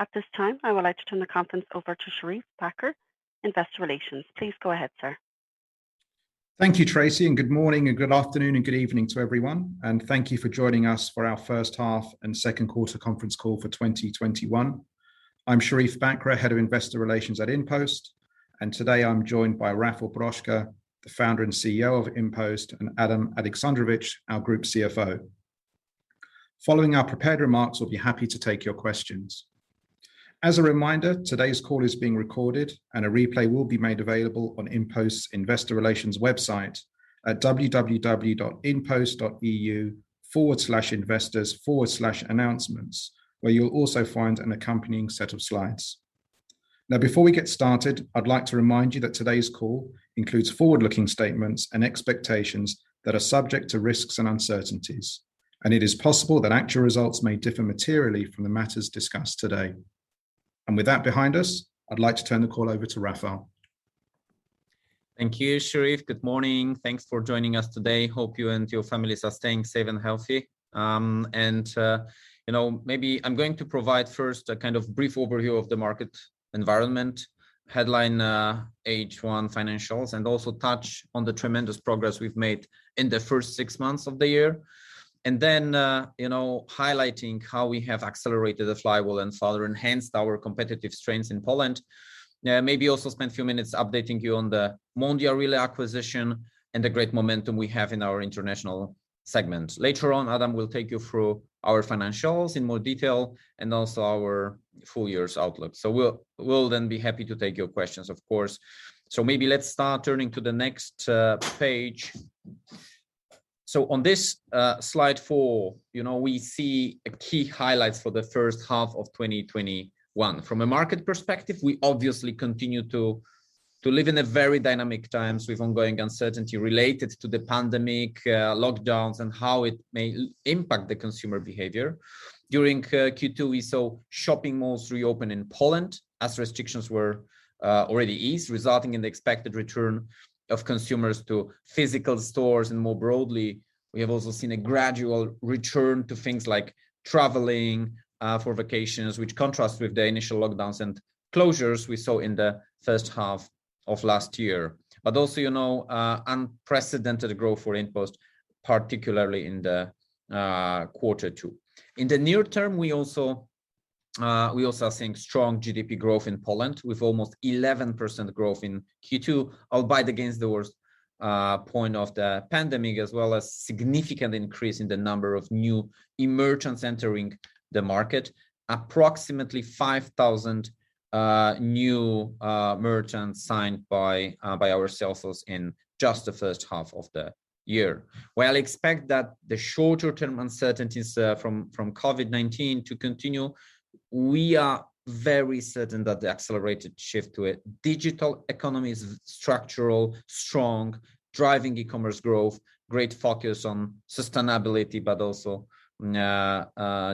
At this time, I would like to turn the conference over to Sherief Bakr, Investor Relations. Please go ahead, sir. Thank you, Tracy. Good morning, good afternoon, and good evening to everyone. Thank you for joining us for our first half and second quarter conference call for 2021. I'm Sherief Bakr, Head of Investor Relations at InPost. Today I'm joined by Rafał Brzoska, the Founder and Chief Executive Officer of InPost, and Adam Aleksandrowicz, our Group Chief Financial Officer. Following our prepared remarks, we'll be happy to take your questions. As a reminder, today's call is being recorded. A replay will be made available on InPost's Investor Relations website at www.inpost.eu/investors/announcements, where you'll also find an accompanying set of slides. Before we get started, I'd like to remind you that today's call includes forward-looking statements and expectations that are subject to risks and uncertainties. It is possible that actual results may differ materially from the matters discussed today. With that behind us, I'd like to turn the call over to Rafał. Thank you, Sherief. Good morning. Thanks for joining us today. Hope you and your families are staying safe and healthy. Maybe I'm going to provide first a kind of brief overview of the market environment, headline H1 financials, and also touch on the tremendous progress we've made in the first 6 months of the year. Highlighting how we have accelerated the flywheel and further enhanced our competitive strengths in Poland. Maybe also spend a few minutes updating you on the Mondial Relay acquisition and the great momentum we have in our international segment. Later on, Adam will take you through our financials in more detail and also our full year's outlook. We'll then be happy to take your questions, of course. Maybe let's start turning to the next page. On this slide four, we see key highlights for the first half of 2021. From a market perspective, we obviously continue to live in very dynamic times with ongoing uncertainty related to the pandemic lockdowns and how it may impact the consumer behavior. During Q2, we saw shopping malls reopen in Poland as restrictions were already eased, resulting in the expected return of consumers to physical stores, and more broadly, we have also seen a gradual return to things like traveling for vacations, which contrasts with the initial lockdowns and closures we saw in the first half of last year. Also, unprecedented growth for InPost, particularly in the quarter two. In the near term, we also are seeing strong GDP growth in Poland with almost 11% growth in Q2, albeit against the worst point of the pandemic, as well as significant increase in the number of new merchants entering the market. Approximately 5,000 new merchants signed by our salesforce in just the first half of the year. While I expect that the shorter-term uncertainties from COVID-19 to continue, we are very certain that the accelerated shift to a digital economy is structural, strong, driving e-commerce growth, great focus on sustainability, but also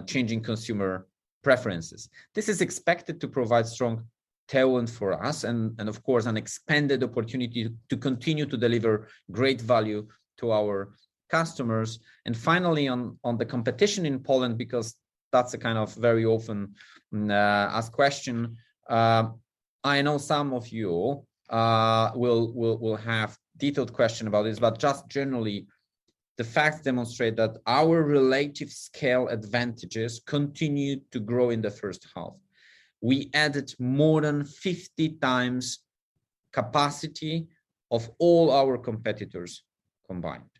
changing consumer preferences. This is expected to provide strong tailwind for us and of course, an expanded opportunity to continue to deliver great value to our customers. Finally, on the competition in Poland, because that's a kind of very often asked question. I know some of you will have detailed question about this, but just generally, the facts demonstrate that our relative scale advantages continued to grow in the first half. We added more than 50x capacity of all our competitors combined.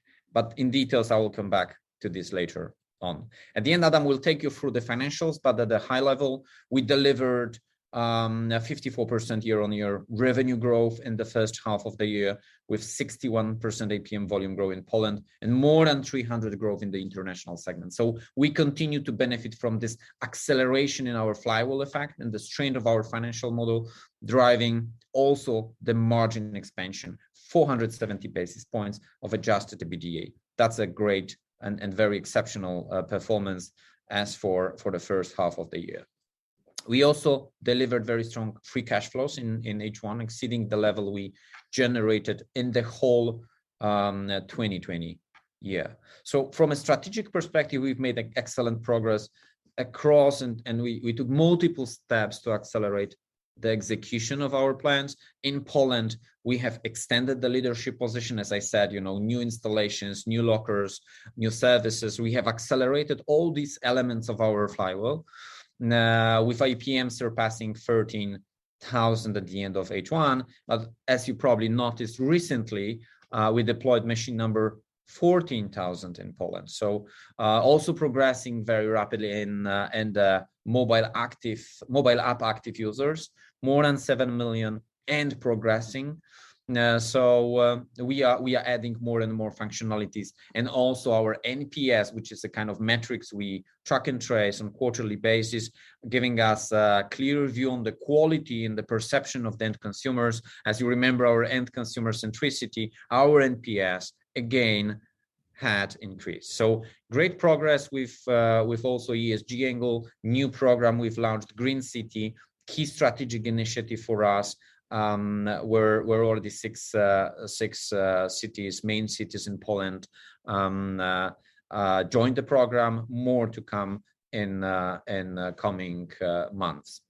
In details, I will come back to this later on. At the end, Adam will take you through the financials, but at a high level, we delivered 54% year-on-year revenue growth in the first half of the year, with 61% APM volume growth in Poland and more than 300% growth in the international segment. We continue to benefit from this acceleration in our flywheel effect and the strength of our financial model, driving also the margin expansion, 470 basis points of adjusted EBITDA. That's a great and very exceptional performance as for the first half of the year. We also delivered very strong free cash flows in H1, exceeding the level we generated in the whole 2020 year. From a strategic perspective, we've made excellent progress across, and we took multiple steps to accelerate the execution of our plans. In Poland, we have extended the leadership position, as I said, new installations, new lockers, new services. We have accelerated all these elements of our flywheel, with APM surpassing 13,000 at the end of H1. As you probably noticed recently, we deployed machine number 14,000 in Poland. Also progressing very rapidly in mobile app active users, more than 7 million and progressing. We are adding more and more functionalities, and also our NPS, which is a kind of metrics we track and trace on quarterly basis, giving us a clear view on the quality and the perception of the end consumers. As you remember, our end consumer centricity, our NPS, again, had increased. Great progress with also ESG angle, new program we have launched, Green City, key strategic initiative for us, where already six main cities in Poland joined the program, more to come in coming months.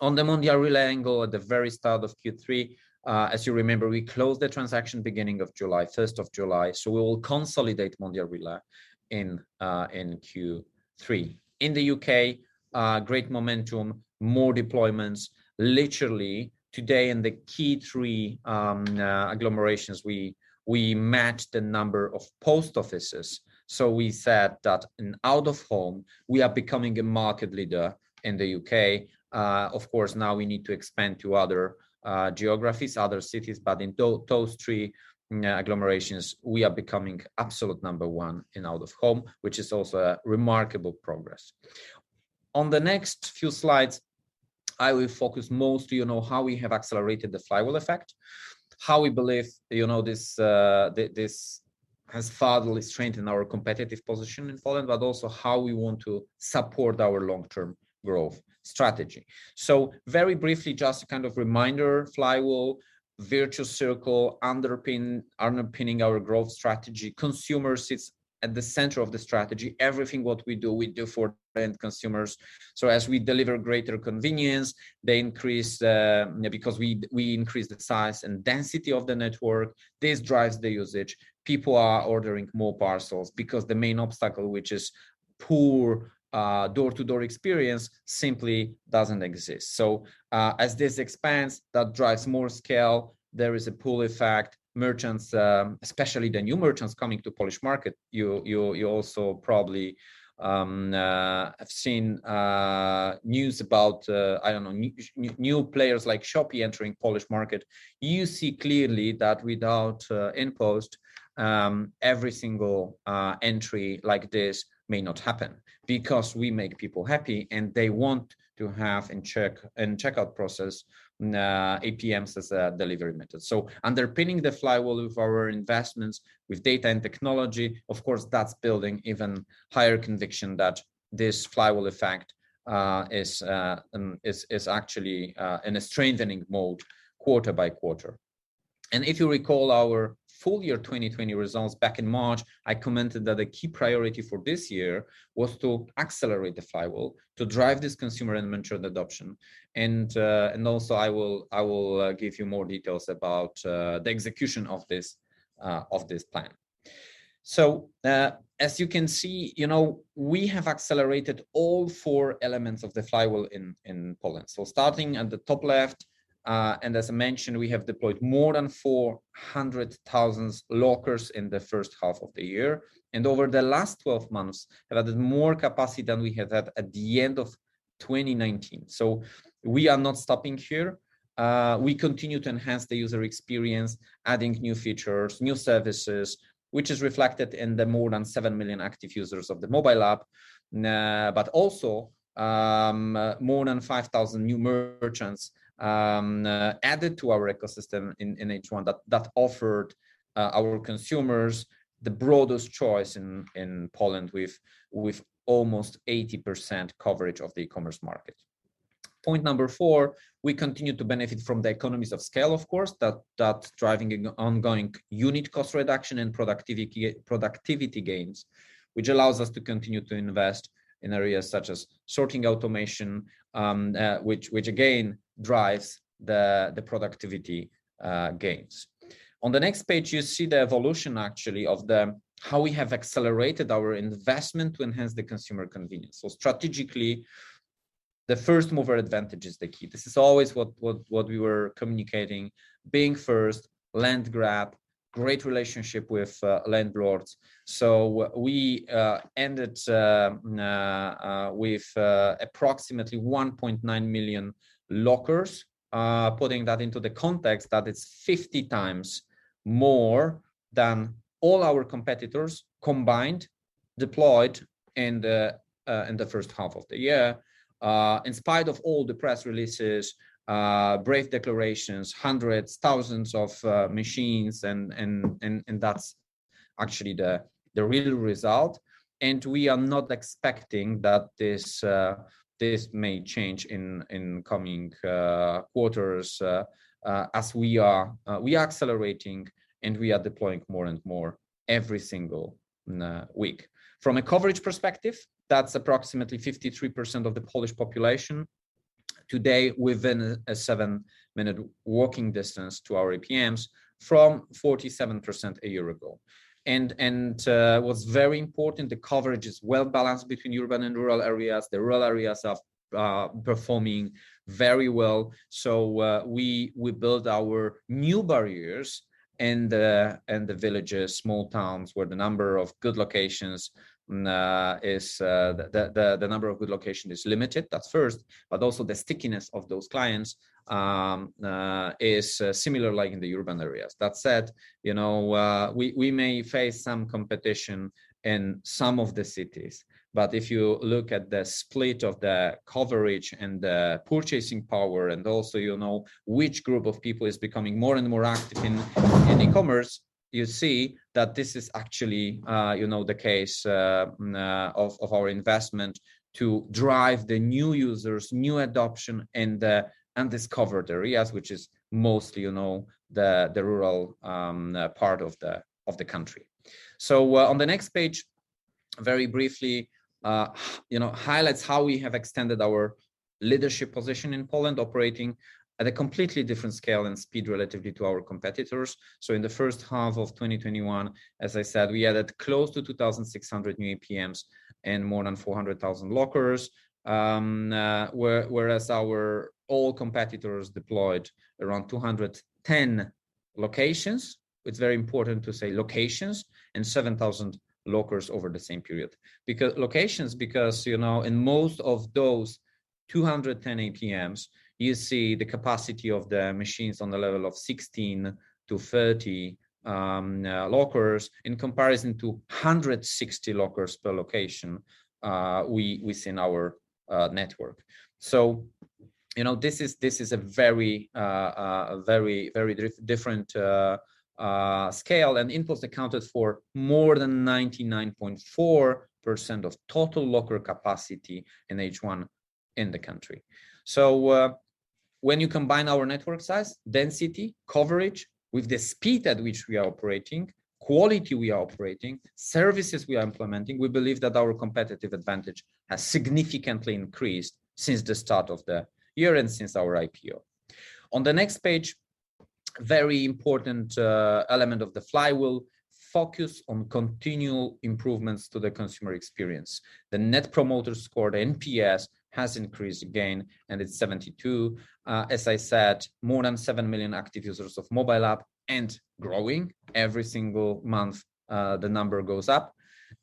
On the Mondial Relay angle at the very start of Q3, as you remember, we closed the transaction beginning of July, 1st of July. We will consolidate Mondial Relay in Q3. In the U.K., great momentum, more deployments. Literally today in the key three agglomerations, we matched the number of post offices. We said that in out-of-home, we are becoming a market leader in the U.K. Of course, now we need to expand to other geographies, other cities, but in those three agglomerations, we are becoming absolute number one in out-of-home, which is also a remarkable progress. On the next few slides, I will focus most on how we have accelerated the flywheel effect, how we believe this has further strengthened our competitive position in Poland, but also how we want to support our long-term growth strategy. Very briefly, just a kind of reminder, flywheel, virtual circle underpinning our growth strategy. Consumer sits at the center of the strategy. Everything what we do, we do for end consumers. As we deliver greater convenience, because we increase the size and density of the network, this drives the usage. People are ordering more parcels because the main obstacle, which is poor door-to-door experience, simply doesn't exist. As this expands, that drives more scale. There is a pool effect. Merchants, especially the new merchants coming to Polish market, you also probably have seen news about, I don't know, new players like Shopee entering Polish market. You see clearly that without InPost, every single entry like this may not happen because we make people happy, and they want to have in checkout process, APMs as a delivery method. Underpinning the flywheel with our investments, with data and technology, of course, that's building even higher conviction that this flywheel effect is actually in a strengthening mode quarter by quarter. If you recall our full year 2020 results back in March, I commented that a key priority for this year was to accelerate the flywheel to drive this consumer and merchant adoption. Also I will give you more details about the execution of this plan. As you can see, we have accelerated all four elements of the flywheel in Poland. Starting at the top left, as I mentioned, we have deployed more than 400,000 lockers in the first half of the year. Over the last 12 months have added more capacity than we had at the end of 2019. We are not stopping here. We continue to enhance the user experience, adding new features, new services, which is reflected in the more than 7 million active users of the mobile app. Also, more than 5,000 new merchants added to our ecosystem in H1 that offered our consumers the broadest choice in Poland with almost 80% coverage of the e-commerce market. Point number four, we continue to benefit from the economies of scale, of course, that's driving ongoing unit cost reduction and productivity gains, which allows us to continue to invest in areas such as sorting automation, which again drives the productivity gains. On the next page, you see the evolution actually of how we have accelerated our investment to enhance the consumer convenience. Strategically, the first mover advantage is the key. This is always what we were communicating, being first, land grab, great relationship with landlords. We ended with approximately 1.9 million lockers. Putting that into the context that it's 50x more than all our competitors combined deployed in the first half of the year. In spite of all the press releases, brave declarations, hundreds, thousands of machines, that's actually the real result. We are not expecting that this may change in coming quarters, as we are accelerating, we are deploying more and more every single week. From a coverage perspective, that's approximately 53% of the Polish population today within a 7-minute walking distance to our APMs from 47% a year ago. What's very important, the coverage is well-balanced between urban and rural areas. The rural areas are performing very well. We build our new barriers in the villages, small towns, where the number of good location is limited. That's first, also the stickiness of those clients is similar, like in the urban areas. That said, we may face some competition in some of the cities, but if you look at the split of the coverage and the purchasing power, and also you know which group of people is becoming more and more active in e-commerce, you see that this is actually the case of our investment to drive the new users, new adoption in the undiscovered areas, which is mostly the rural part of the country. On the next page. Very briefly, highlights how we have extended our leadership position in Poland, operating at a completely different scale and speed relatively to our competitors. In the first half of 2021, as I said, we added close to 2,600 new APMs and more than 400,000 lockers. Whereas our all competitors deployed around 210 locations. It's very important to say locations, and 7,000 lockers over the same period. Locations, because in most of those 210 APMs, you see the capacity of the machines on the level of 16-30 lockers in comparison to 160 lockers per location within our network. This is a very different scale, and InPost accounted for more than 99.4% of total locker capacity in H1 in the country. When you combine our network size, density, coverage with the speed at which we are operating, quality we are operating, services we are implementing, we believe that our competitive advantage has significantly increased since the start of the year and since our IPO. On the next page, very important element of the flywheel, focus on continual improvements to the consumer experience. The net promoter score, the NPS, has increased again, and it's 72. As I said, more than 7 million active users of mobile app and growing. Every single month, the number goes up.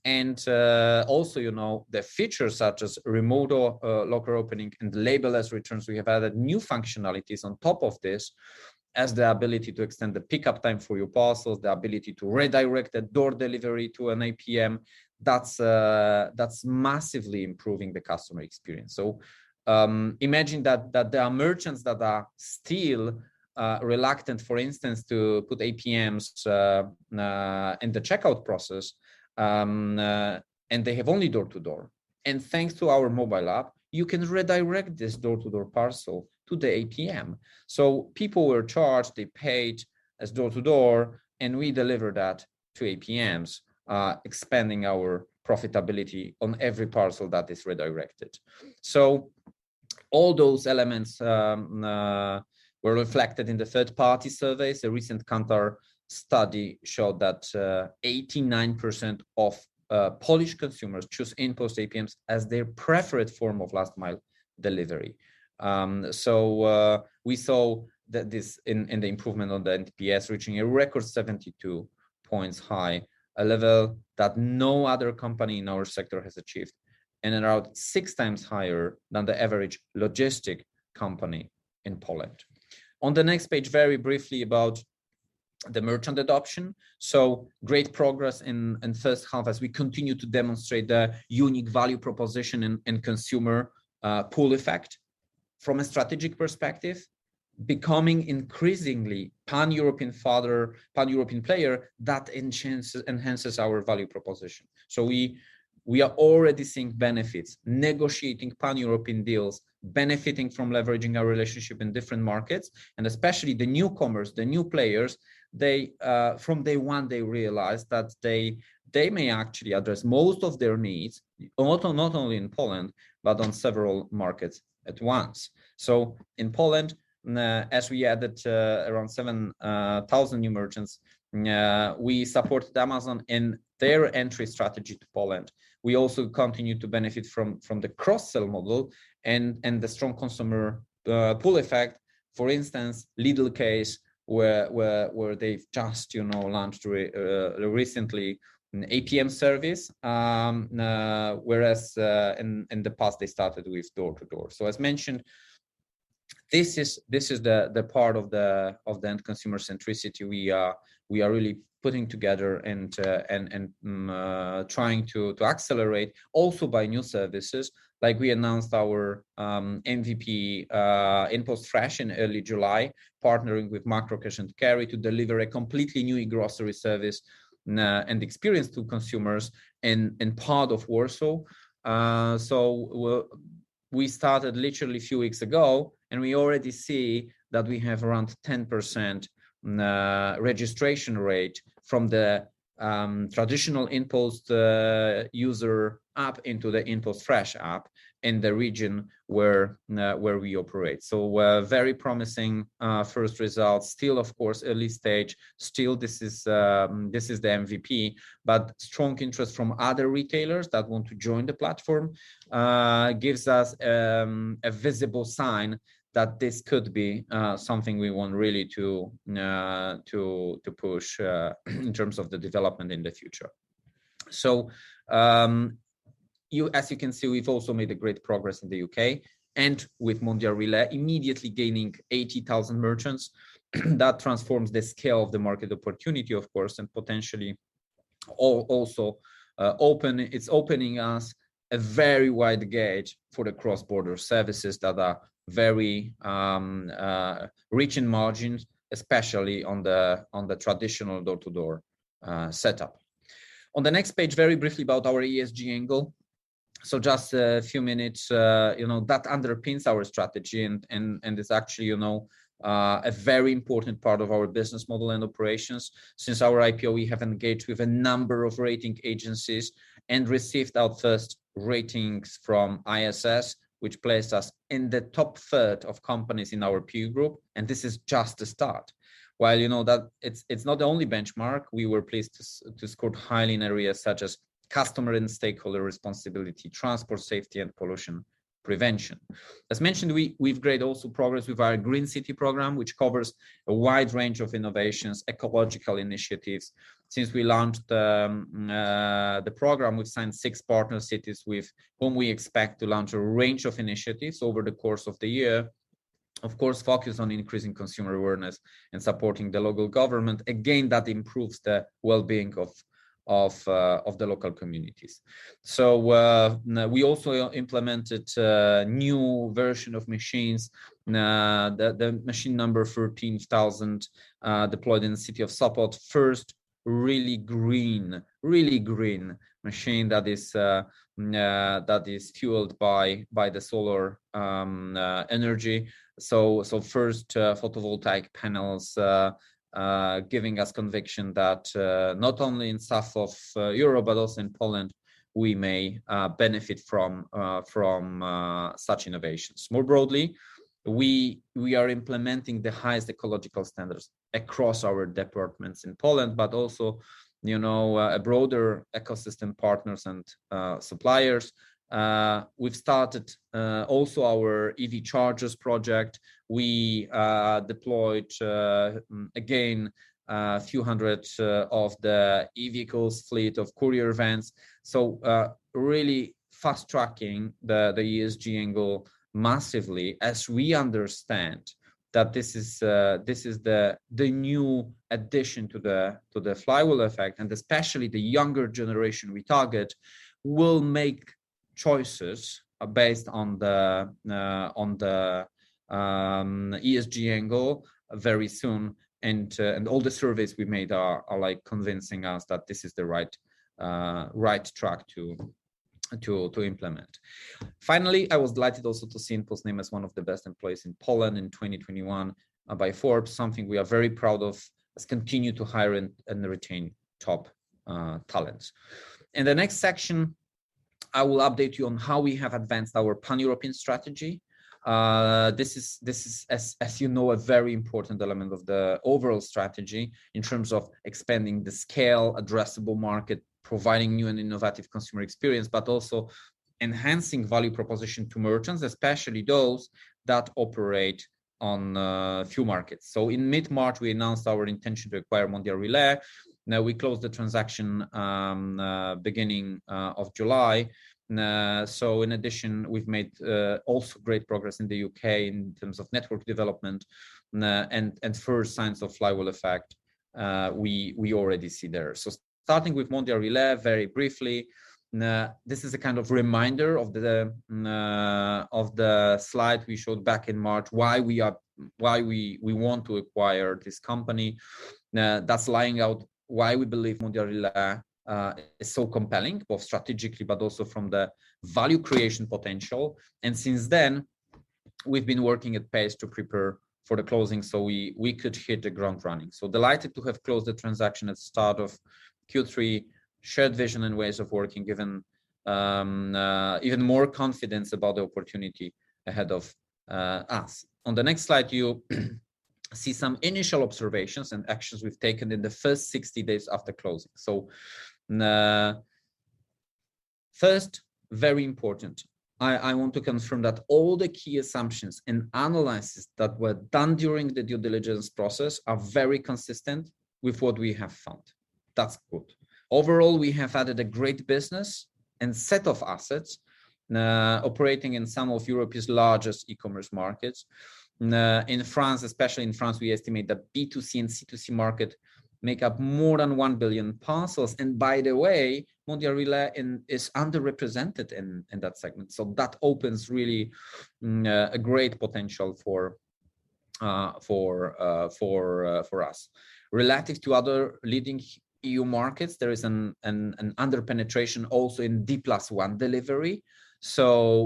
Also the features such as remote locker opening and label-less returns, we have added new functionalities on top of this as the ability to extend the pickup time for your parcels, the ability to redirect a door delivery to an APM. That's massively improving the customer experience. Imagine that there are merchants that are still reluctant, for instance, to put APMs in the checkout process. They have only door-to-door. Thanks to our mobile app, you can redirect this door-to-door parcel to the APM. People were charged, they paid as door-to-door, and we deliver that to APMs, expanding our profitability on every parcel that is redirected. All those elements were reflected in the third-party surveys. A recent Kantar study showed that 89% of Polish consumers choose InPost APMs as their preferred form of last mile delivery. We saw that in the improvement on the NPS reaching a record 72 points high, a level that no other company in our sector has achieved, and around 6x higher than the average logistics company in Poland. On the next page, very briefly about the merchant adoption. Great progress in first half as we continue to demonstrate the unique value proposition and consumer pull effect from a strategic perspective, becoming increasingly pan-European player that enhances our value proposition. We are already seeing benefits, negotiating pan-European deals, benefiting from leveraging our relationship in different markets, and especially the newcomers, the new players, from day one, they realized that they may actually address most of their needs, not only in Poland, but on several markets at once. In Poland, as we added around 7,000 new merchants, we supported Amazon in their entry strategy to Poland. We also continue to benefit from the cross-sell model and the strong consumer pull effect. For instance, Lidl case where they've just launched recently an APM service, whereas in the past they started with door-to-door. As mentioned, this is the part of the end consumer centricity we are really putting together and trying to accelerate also by new services. Like we announced our MVP InPost Fresh in early July, partnering with Makro Cash & Carry to deliver a completely new grocery service, and experience to consumers in part of Warszawa. We started literally a few weeks ago, and we already see that we have around 10% registration rate from the traditional InPost user app into the InPost Fresh app in the region where we operate. Very promising first results. Still, of course, early stage, still this is the MVP, but strong interest from other retailers that want to join the platform gives us a visible sign that this could be something we want really to push in terms of the development in the future. As you can see, we've also made great progress in the U.K. and with Mondial Relay immediately gaining 80,000 merchants. That transforms the scale of the market opportunity, of course, and potentially also it's opening us a very wide gauge for the cross-border services that are very rich in margins, especially on the traditional door-to-door setup. On the next page, very briefly about our ESG angle. Just a few minutes, that underpins our strategy, and is actually a very important part of our business model and operations. Since our IPO, we have engaged with a number of rating agencies and received our first ratings from ISS, which placed us in the top third of companies in our peer group. This is just a start. While it's not the only benchmark, we were pleased to score highly in areas such as customer and stakeholder responsibility, transport, safety, and pollution prevention. As mentioned, we've made also progress with our Green City program, which covers a wide range of innovations, ecological initiatives. Since we launched the program, we've signed six partner cities with whom we expect to launch a range of initiatives over the course of the year, of course, focused on increasing consumer awareness and supporting the local government. Again, that improves the well-being of the local communities. We also implemented a new version of machines. The machine number 13,000 deployed in the city of Sopot. First really green machine that is fueled by the solar energy. First photovoltaic panels, giving us conviction that not only in south of Europe, but also in Poland, we may benefit from such innovations. More broadly, we are implementing the highest ecological standards across our departments in Poland, but also broader ecosystem partners and suppliers. We've started also our EV chargers project. We deployed, again, a few hundred of the e-vehicles fleet of courier vans. Really fast-tracking the ESG angle massively as we understand that this is the new addition to the flywheel effect, and especially the younger generation we target will make choices based on the ESG angle very soon. All the surveys we made are convincing us that this is the right track to implement. Finally, I was delighted also to see InPost named as one of the best employers in Poland in 2021 by Forbes, something we are very proud of, as we continue to hire and retain top talent. In the next section, I will update you on how we have advanced our Pan-European strategy. This is, as you know, a very important element of the overall strategy in terms of expanding the scale, addressable market, providing new and innovative consumer experience, but also enhancing value proposition to merchants, especially those that operate on a few markets. In mid-March, we announced our intention to acquire Mondial Relay. Now we closed the transaction beginning of July. In addition, we've made also great progress in the U.K. in terms of network development, and first signs of flywheel effect we already see there. Starting with Mondial Relay, very briefly, this is a kind of reminder of the slide we showed back in March, why we want to acquire this company. That's laying out why we believe Mondial Relay is so compelling, both strategically, but also from the value creation potential. Since then, we've been working at pace to prepare for the closing so we could hit the ground running. Delighted to have closed the transaction at start of Q3. Shared vision and ways of working given even more confidence about the opportunity ahead of us. On the next slide, you'll see some initial observations and actions we've taken in the first 60 days after closing. First, very important, I want to confirm that all the key assumptions and analysis that were done during the due diligence process are very consistent with what we have found. That's good. Overall, we have added a great business and set of assets operating in some of Europe's largest e-commerce markets. In France, especially in France, we estimate that B2C and C2C market make up more than 1 billion parcels. By the way, Mondial Relay is underrepresented in that segment. That opens really a great potential for us. Relative to other leading EU markets, there is an under-penetration also in D+1 delivery.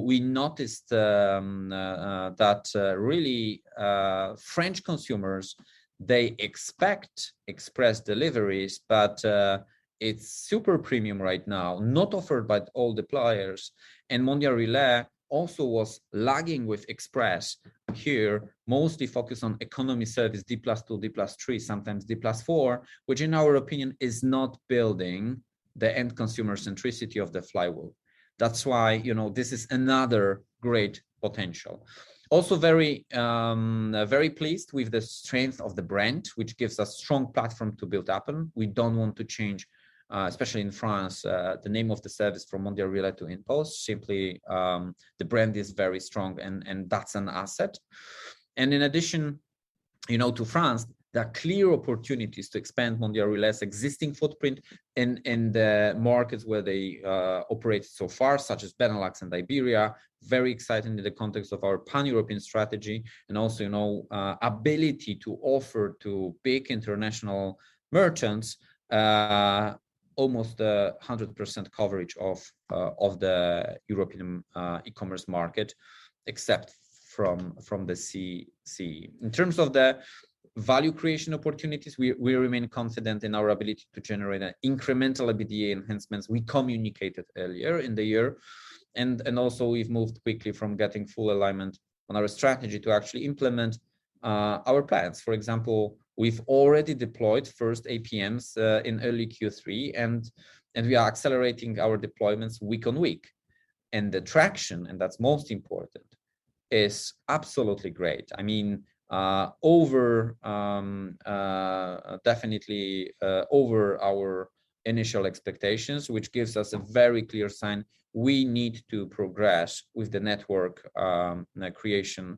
We noticed that really French consumers, they expect express deliveries, but it's super premium right now, not offered by all the players, and Mondial Relay also was lagging with express. Here, mostly focused on economy service, D+2, D+3, sometimes D+4, which in our opinion is not building the end consumer centricity of the flywheel. That's why this is another great potential. Very pleased with the strength of the brand, which gives us strong platform to build upon. We don't want to change, especially in France, the name of the service from Mondial Relay to InPost. The brand is very strong, and that's an asset. In addition to France, there are clear opportunities to expand Mondial Relay's existing footprint in the markets where they operate so far, such as Benelux and Iberia. Very exciting in the context of our Pan-European strategy and also ability to offer to big international merchants almost 100% coverage of the European e-commerce market, except from the CEE. In terms of the value creation opportunities, we remain confident in our ability to generate incremental EBITDA enhancements we communicated earlier in the year. Also we've moved quickly from getting full alignment on our strategy to actually implement our plans. For example, we've already deployed first APMs in early Q3. We are accelerating our deployments week on week. The traction, and that's most important, is absolutely great. Definitely over our initial expectations, which gives us a very clear sign we need to progress with the network creation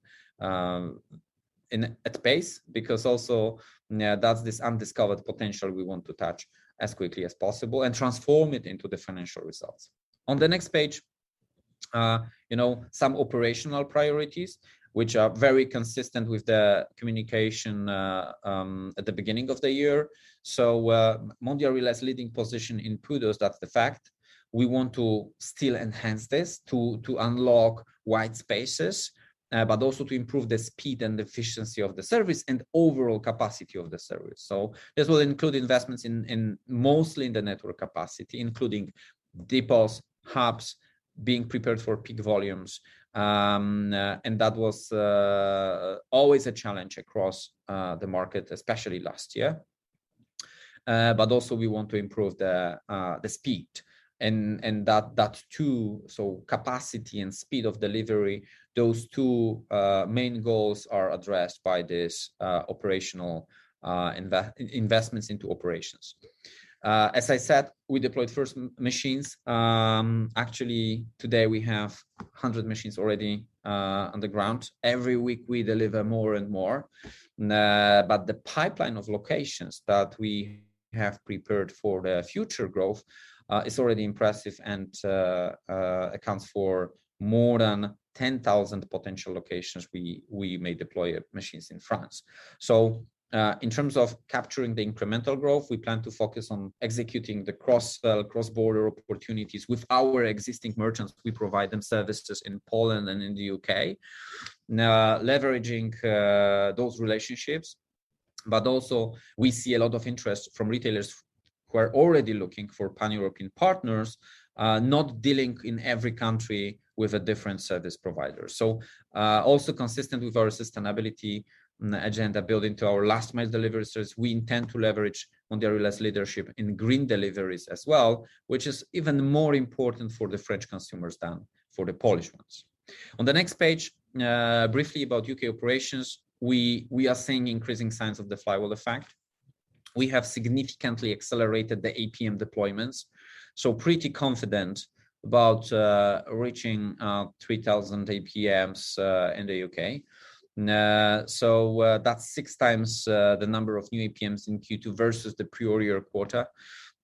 at pace, because also that's this undiscovered potential we want to touch as quickly as possible and transform it into the financial results. On the next page, some operational priorities, which are very consistent with the communication at the beginning of the year. Mondial Relay's leading position in PUDOs, that's the fact. We want to still enhance this to unlock wide spaces, also to improve the speed and efficiency of the service and overall capacity of the service. This will include investments in mostly in the network capacity, including depots, hubs, being prepared for peak volumes. That was always a challenge across the market, especially last year. We want to improve the speed, so capacity and speed of delivery. Those two main goals are addressed by these investments into operations. As I said, we deployed first machines. Actually, today we have 100 machines already on the ground. Every week we deliver more and more. The pipeline of locations that we have prepared for the future growth is already impressive and accounts for more than 10,000 potential locations we may deploy machines in France. In terms of capturing the incremental growth, we plan to focus on executing the cross-border opportunities with our existing merchants. We provide them services in Poland and in the U.K., leveraging those relationships. Also, we see a lot of interest from retailers who are already looking for pan-European partners, not dealing in every country with a different service provider. Also consistent with our sustainability agenda, building to our last mile delivery service, we intend to leverage Mondial Relay's leadership in green deliveries as well, which is even more important for the French consumers than for the Polish ones. On the next page, briefly about U.K. operations. We are seeing increasing signs of the flywheel effect. We have significantly accelerated the APM deployments, so pretty confident about reaching 3,000 APMs in the U.K. That's 6x the number of new APMs in Q2 versus the prior year quarter.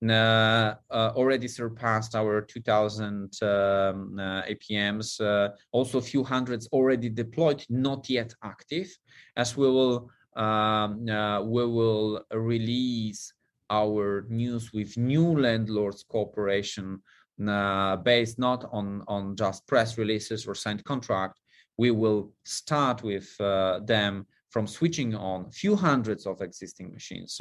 Already surpassed our 2,000 APMs. Also a few hundreds already deployed, not yet active. As we will release our news with new landlords' cooperation, based not on just press releases or signed contract. We will start with them from switching on a few hundreds of existing machines.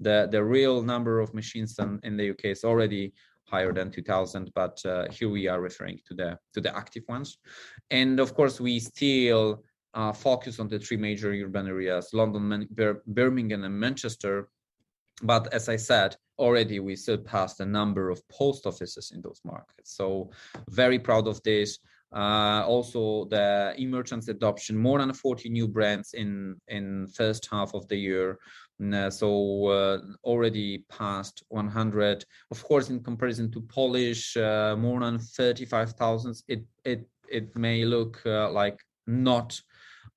The real number of machines in the U.K. is already higher than 2,000, but here we are referring to the active ones. Of course, we still focus on the three major urban areas, London, Birmingham, and Manchester. As I said, already we surpassed the number of post offices in those markets. Very proud of this. Also, the e-merchants adoption, more than 40 new brands in first half of the year. Already passed 100. Of course, in comparison to Polish, more than 35,000, it may look like not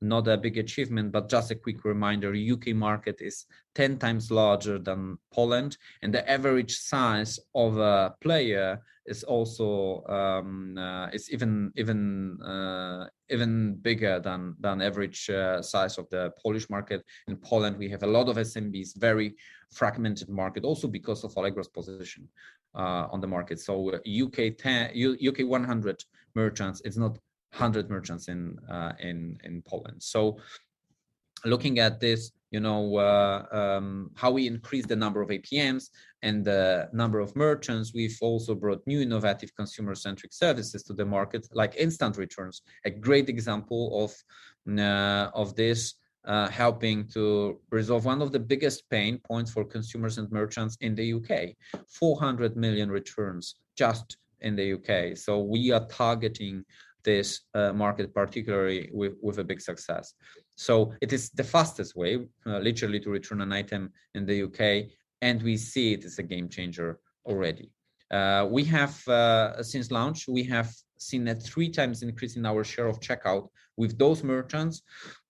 a big achievement. Just a quick reminder, U.K. market is 10x larger than Poland, and the average size of a player is even bigger than average size of the Polish market. In Poland, we have a lot of SMBs, very fragmented market, also because of Allegro's position on the market. U.K. 100 merchants is not 100 merchants in Poland. Looking at this, how we increase the number of APMs and the number of merchants. We've also brought new innovative consumer-centric services to the market, like instant returns. A great example of this, helping to resolve one of the biggest pain points for consumers and merchants in the U.K. 400 million returns just in the U.K. We are targeting this market, particularly with a big success. It is the fastest way, literally to return an item in the U.K. We see it as a game changer already. Since launch, we have seen a three times increase in our share of checkout with those merchants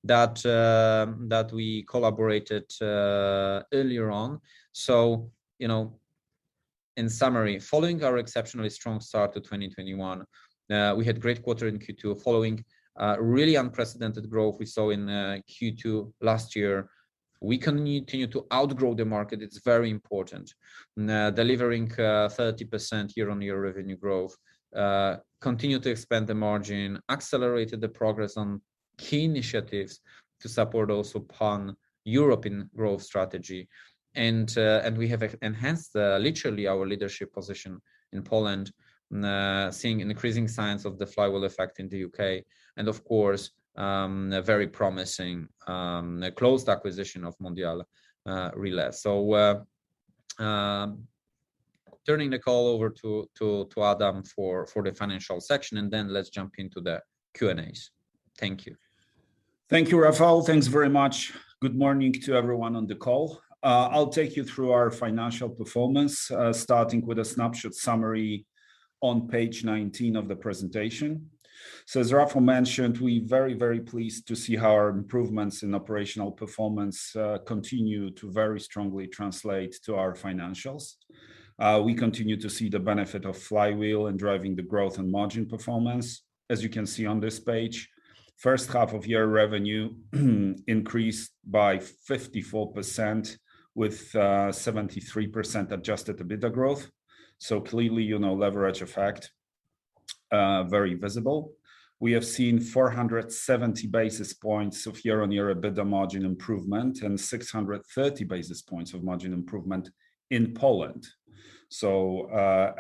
that we collaborated earlier on. In summary, following our exceptionally strong start to 2021, we had great quarter in Q2 following really unprecedented growth we saw in Q2 last year. We continue to outgrow the market. It's very important. Delivering 30% year-on-year revenue growth, continue to expand the margin, accelerated the progress on key initiatives to support also pan-European growth strategy. We have enhanced literally our leadership position in Poland, seeing increasing signs of the flywheel effect in the U.K. and, of course, a very promising closed acquisition of Mondial Relay. Turning the call over to Adam for the financial section, and then let's jump into the Q&As. Thank you. Thank you, Rafał. Thanks very much. Good morning to everyone on the call. I'll take you through our financial performance, starting with a snapshot summary on page 19 of the presentation. As Rafał mentioned, we're very pleased to see how our improvements in operational performance continue to very strongly translate to our financials. We continue to see the benefit of flywheel in driving the growth and margin performance. As you can see on this page, first half of year revenue increased by 54% with 73% adjusted EBITDA growth. Clearly, leverage effect very visible. We have seen 470 basis points of year-on-year EBITDA margin improvement and 630 basis points of margin improvement in Poland.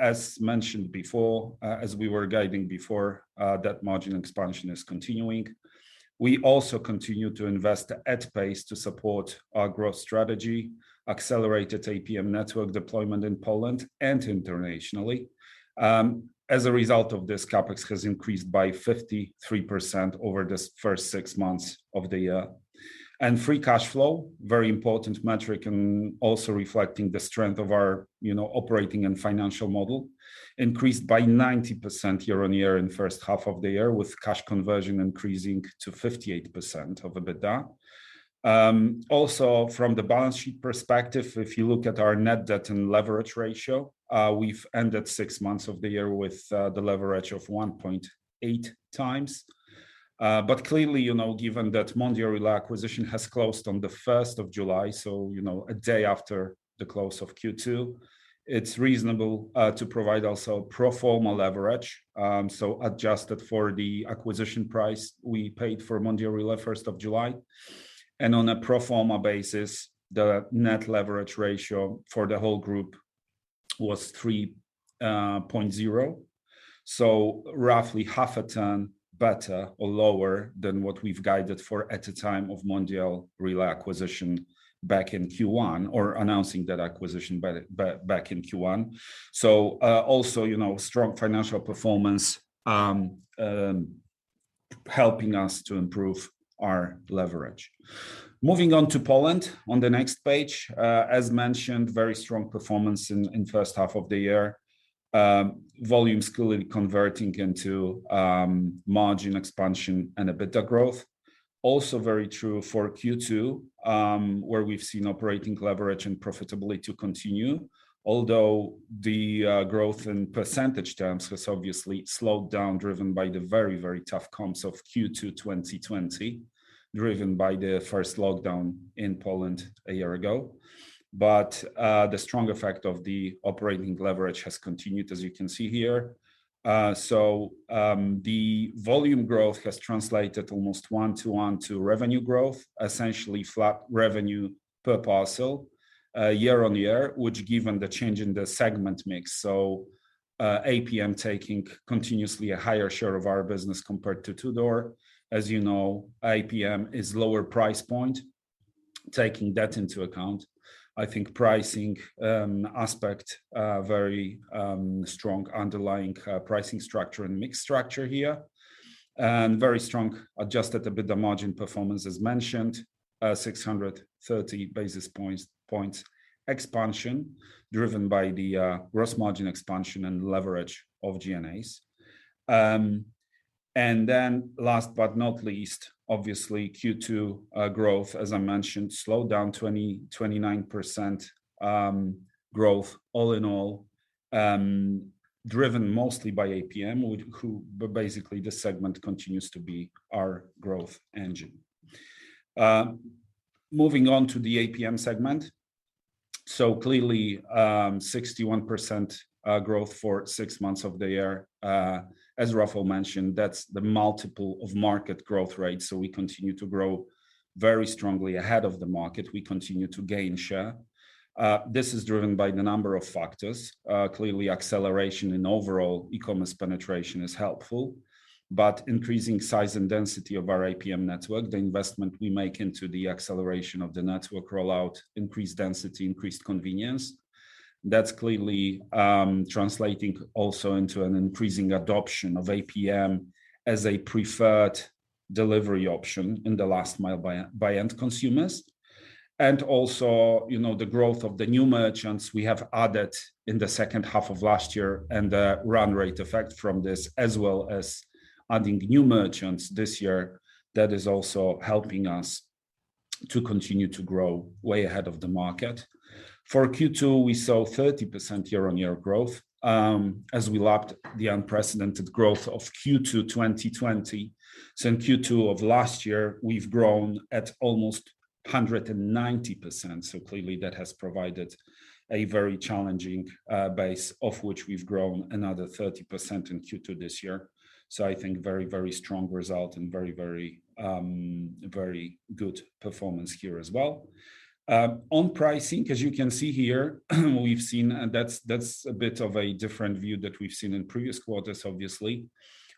As mentioned before, as we were guiding before, that margin expansion is continuing. We also continue to invest at pace to support our growth strategy, accelerated APM network deployment in Poland and internationally. As a result of this, CapEx has increased by 53% over this first six months of the year. Free cash flow, very important metric and also reflecting the strength of our operating and financial model, increased by 90% year-on-year in first half of the year, with cash conversion increasing to 58% of EBITDA. From the balance sheet perspective, if you look at our net debt and leverage ratio, we've ended six months of the year with the leverage of 1.8x. Clearly, given that Mondial Relay acquisition has closed on the 1st of July, so a day after the close of Q2, it's reasonable to provide also pro forma leverage. Adjusted for the acquisition price we paid for Mondial Relay 1st of July, and on a pro forma basis, the net leverage ratio for the whole group was 3.0. Roughly half a ton better or lower than what we've guided for at the time of Mondial Relay acquisition back in Q1, or announcing that acquisition back in Q1. Strong financial performance helping us to improve our leverage. Moving on to Poland on the next page. As mentioned, very strong performance in first half of the year. Volumes clearly converting into margin expansion and EBITDA growth. Very true for Q2, where we've seen operating leverage and profitability continue, although the growth in percentage terms has obviously slowed down, driven by the very tough comps of Q2 2020, driven by the first lockdown in Poland a year ago. The strong effect of the operating leverage has continued, as you can see here. The volume growth has translated almost one-to-one to revenue growth, essentially flat revenue per parcel year-on-year, which given the change in the segment mix, APM taking continuously a higher share of our business compared to to-door. As you know, APM is lower price point. Taking that into account, I think pricing aspect, very strong underlying pricing structure and mix structure here, and very strong adjusted EBITDA margin performance as mentioned, 630 basis points expansion driven by the gross margin expansion and leverage of G&As. Last but not least, obviously Q2 growth, as I mentioned, slowed down 29% growth all in all, driven mostly by APM, but basically this segment continues to be our growth engine. Moving on to the APM segment. Clearly, 61% growth for six months of the year. As Rafał mentioned, that's the multiple of market growth rates. We continue to grow very strongly ahead of the market. We continue to gain share. This is driven by the number of factors. Clearly, acceleration in overall e-commerce penetration is helpful, but increasing size and density of our APM network, the investment we make into the acceleration of the network rollout, increased density, increased convenience. That's clearly translating also into an increasing adoption of APM as a preferred delivery option in the last mile by end consumers. The growth of the new merchants we have added in the second half of last year and the run rate effect from this, as well as adding new merchants this year, that is also helping us to continue to grow way ahead of the market. For Q2, we saw 30% year-on-year growth. As we lapped the unprecedented growth of Q2 2020. In Q2 of last year, we've grown at almost 190%. Clearly that has provided a very challenging base of which we've grown another 30% in Q2 this year. I think very, very strong result and very good performance here as well. On pricing, as you can see here, that's a bit of a different view that we've seen in previous quarters, obviously.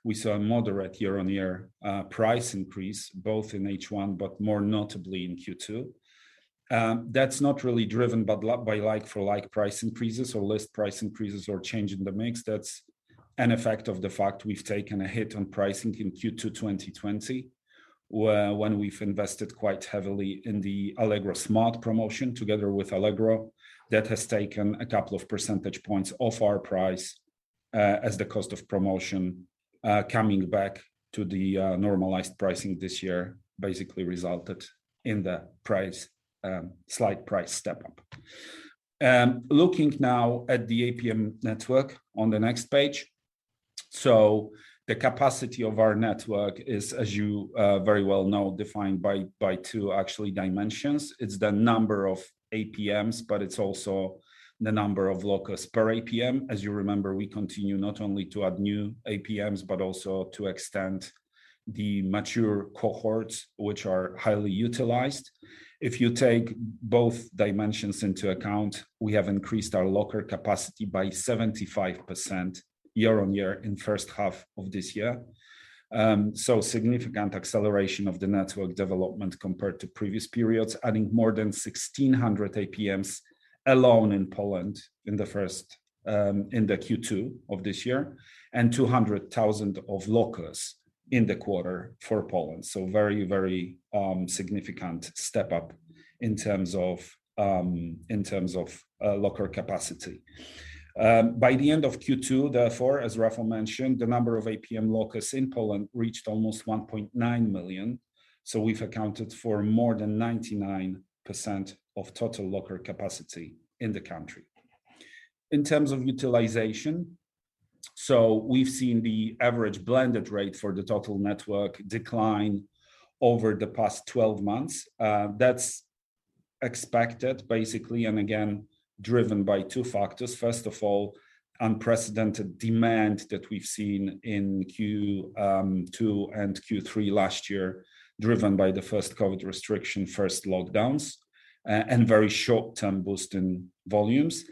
We saw a moderate year-on-year price increase both in H1, but more notably in Q2. That's not really driven by like-for-like price increases or list price increases or change in the mix. That's an effect of the fact we've taken a hit on pricing in Q2 2020, when we've invested quite heavily in the Allegro Smart promotion together with Allegro. That has taken 2 percentage points off our price, as the cost of promotion, coming back to the normalized pricing this year basically resulted in the slight price step up. Looking now at the APM network on the next page. The capacity of our network is, as you very well know, defined by two actually dimensions. It's the number of APMs, but it's also the number of lockers per APM. As you remember, we continue not only to add new APMs, but also to extend the mature cohorts, which are highly utilized. If you take both dimensions into account, we have increased our locker capacity by 75% year-on-year in first half of this year. Significant acceleration of the network development compared to previous periods, adding more than 1,600 APMs alone in Poland in the Q2 of this year and 200,000 of lockers in the quarter for Poland. Very significant step up in terms of locker capacity. By the end of Q2, therefore, as Rafał mentioned, the number of APM lockers in Poland reached almost 1.9 million. We've accounted for more than 99% of total locker capacity in the country. In terms of utilization, we've seen the average blended rate for the total network decline over the past 12 months. That's expected basically, and again, driven by 2 factors. First of all, unprecedented demand that we've seen in Q2 and Q3 last year, driven by the first COVID restriction, first lockdowns, and very short-term boost in volumes.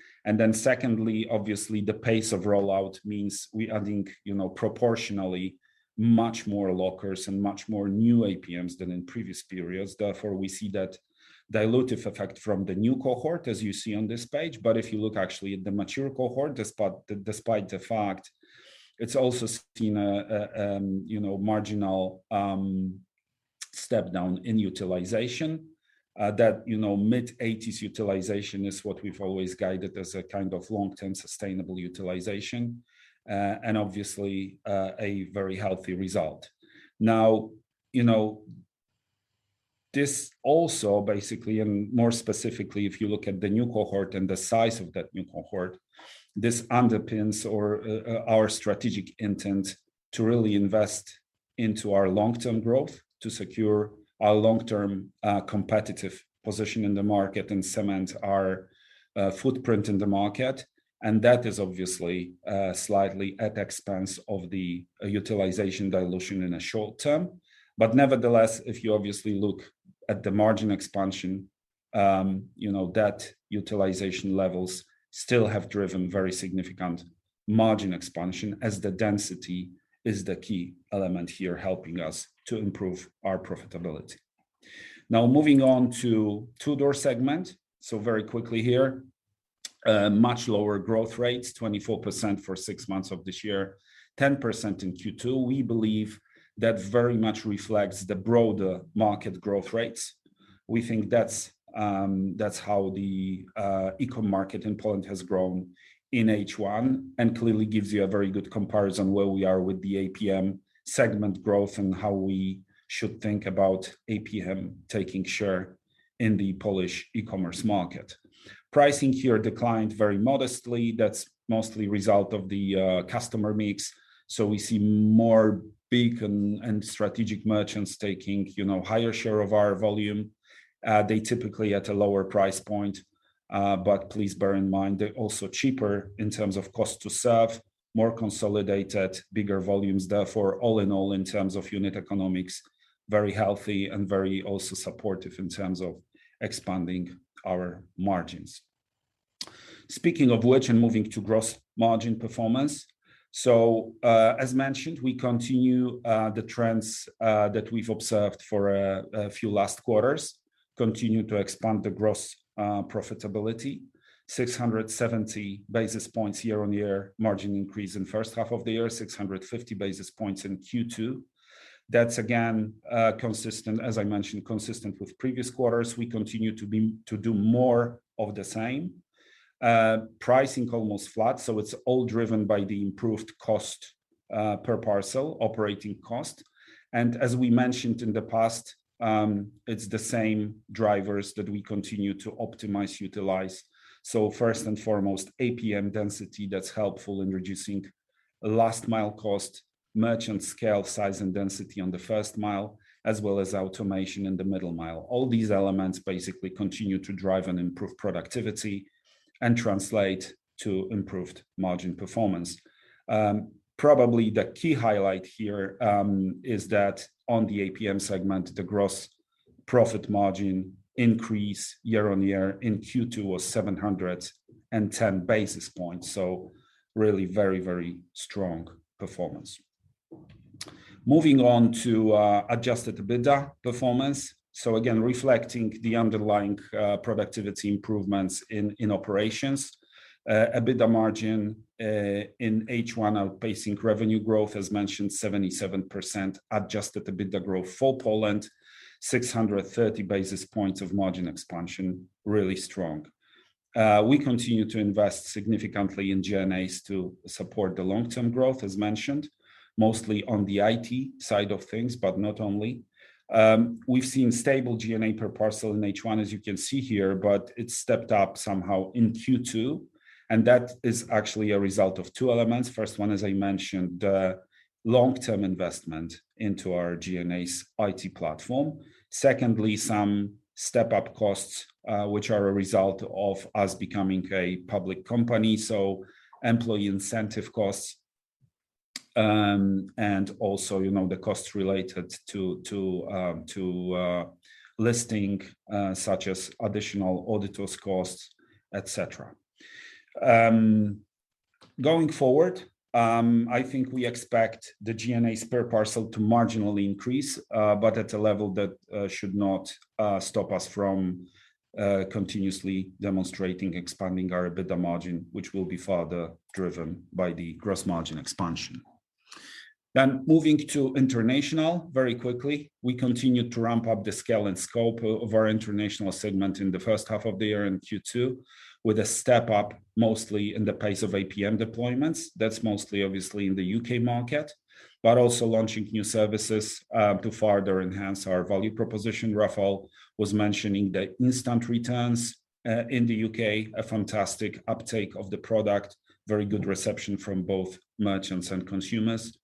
Secondly, obviously, the pace of rollout means we adding proportionally much more lockers and much more new APMs than in previous periods. Therefore, we see that dilutive effect from the new cohort, as you see on this page. If you look actually at the mature cohort, despite the fact it's also seen a marginal step down in utilization, that mid-80s utilization is what we've always guided as a kind of long-term sustainable utilization. Obviously, a very healthy result. Now, this also basically, and more specifically if you look at the new cohort and the size of that new cohort, this underpins our strategic intent to really invest into our long-term growth to secure our long-term competitive position in the market and cement our footprint in the market. That is obviously, slightly at expense of the utilization dilution in a short term. Nevertheless, if you obviously look at the margin expansion, that utilization levels still have driven very significant margin expansion as the density is the key element here helping us to improve our profitability. Moving on to to-door segment. Very quickly here, much lower growth rates, 24% for six months of this year, 10% in Q2. We believe that very much reflects the broader market growth rates. We think that's how the eCom market in Poland has grown in H1 and clearly gives you a very good comparison where we are with the APM segment growth and how we should think about APM taking share in the Polish e-commerce market. Pricing here declined very modestly. That's mostly result of the customer mix. We see more big and strategic merchants taking higher share of our volume. They typically at a lower price point. Please bear in mind, they're also cheaper in terms of cost to serve, more consolidated, bigger volumes. All in all, in terms of unit economics, very healthy and very also supportive in terms of expanding our margins. Speaking of which, moving to gross margin performance. As mentioned, we continue the trends that we've observed for a few last quarters, continue to expand the gross profitability, 670 basis points year-on-year margin increase in first half of the year, 650 basis points in Q2. That's again, as I mentioned, consistent with previous quarters. We continue to do more of the same. Pricing almost flat, so it's all driven by the improved cost per parcel, operating cost. As we mentioned in the past, it's the same drivers that we continue to optimize, utilize. First and foremost, APM density, that's helpful in reducing last mile cost, merchant scale, size, and density on the first mile, as well as automation in the middle mile. All these elements basically continue to drive and improve productivity and translate to improved margin performance. Probably the key highlight here is that on the APM segment, the gross profit margin increase year-on-year in Q2 was 710 basis points. Really very strong performance. Moving on to adjusted EBITDA performance. Again, reflecting the underlying productivity improvements in operations. EBITDA margin in H1 outpacing revenue growth, as mentioned, 77%. Adjusted EBITDA growth for Poland, 630 basis points of margin expansion. Really strong. We continue to invest significantly in G&As to support the long-term growth, as mentioned, mostly on the IT side of things, but not only. We've seen stable G&A per parcel in H1, as you can see here. It stepped up somehow in Q2. That is actually a result of two elements. First, one, as I mentioned, the long-term investment into our G&A's IT platform. Second, some step-up costs, which are a result of us becoming a public company, employee incentive costs, the costs related to listing, such as additional auditor costs, etc. Going forward, I think we expect the G&As per parcel to marginally increase, at a level that should not stop us from continuously demonstrating expanding our EBITDA margin, which will be further driven by the gross margin expansion. Moving to international very quickly. We continued to ramp up the scale and scope of our international segment in the first half of the year in Q2, with a step up mostly in the pace of APM deployments. That's mostly obviously in the U.K. market, also launching new services to further enhance our value proposition. Rafał was mentioning the instant returns in the U.K., a fantastic uptake of the product, very good reception from both merchants and consumers.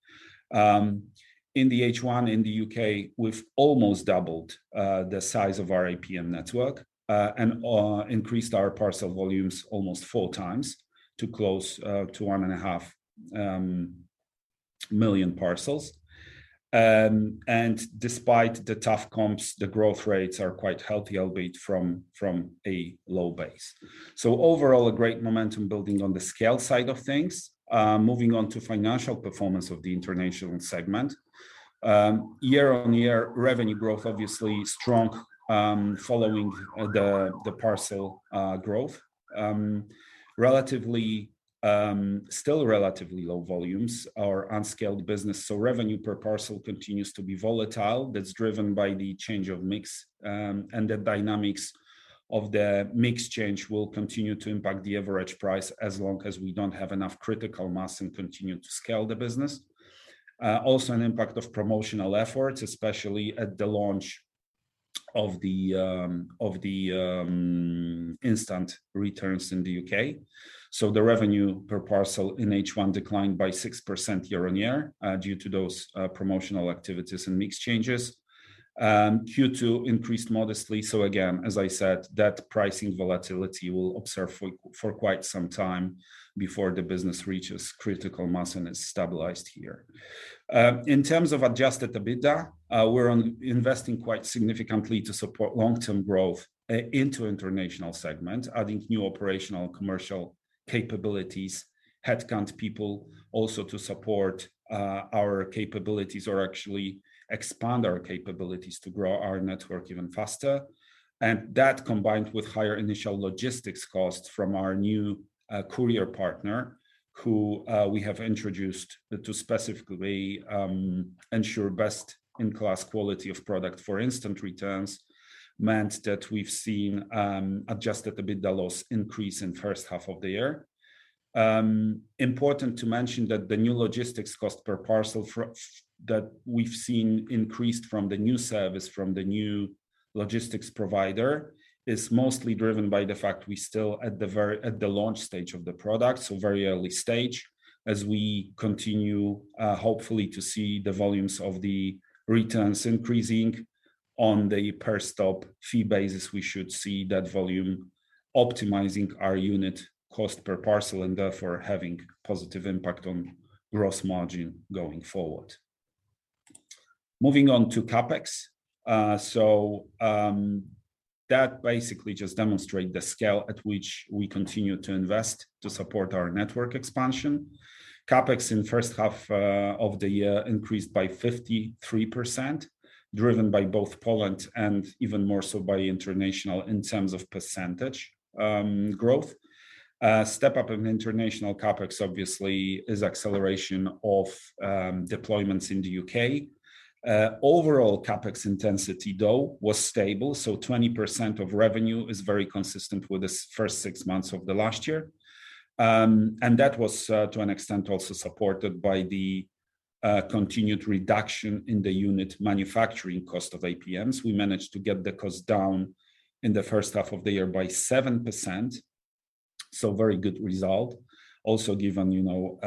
In the H1 in the U.K., we've almost doubled the size of our APM network and increased our parcel volumes almost 4x to close to 1.5 million parcels. Despite the tough comps, the growth rates are quite healthy, albeit from a low base. Overall, a great momentum building on the scale side of things. Moving on to financial performance of the international segment. Year-over-year revenue growth, obviously strong following the parcel growth. Still relatively low volumes, our unscaled business, so revenue per parcel continues to be volatile. That's driven by the change of mix, and the dynamics of the mix change will continue to impact the average price as long as we don't have enough critical mass and continue to scale the business. Also an impact of promotional efforts, especially at the launch of the instant returns in the U.K. The revenue per parcel in H1 declined by 6% year-over-year due to those promotional activities and mix changes. Q2 increased modestly. Again, as I said, that pricing volatility we'll observe for quite some time before the business reaches critical mass and is stabilized here. In terms of adjusted EBITDA, we're investing quite significantly to support long-term growth into international segment, adding new operational commercial capabilities, headcount people also to support our capabilities or actually expand our capabilities to grow our network even faster. That combined with higher initial logistics costs from our new courier partner who we have introduced to specifically ensure best in class quality of product for instant returns, meant that we've seen adjusted EBITDA loss increase in first half of the year. Important to mention that the new logistics cost per parcel that we've seen increased from the new service from the new logistics provider is mostly driven by the fact we're still at the launch stage of the product, so very early stage. As we continue, hopefully, to see the volumes of the returns increasing on the per stop fee basis, we should see that volume optimizing our unit cost per parcel and therefore having positive impact on gross margin going forward. Moving on to CapEx. That basically just demonstrate the scale at which we continue to invest to support our network expansion. CapEx in first half of the year increased by 53%, driven by both Poland and even more so by international in terms of percentage growth. Step up in international CapEx obviously is acceleration of deployments in the U.K. Overall CapEx intensity, though, was stable, so 20% of revenue is very consistent with the first six months of the last year. That was, to an extent, also supported by the continued reduction in the unit manufacturing cost of APMs. We managed to get the cost down in the first half of the year by 7%. Very good result. Given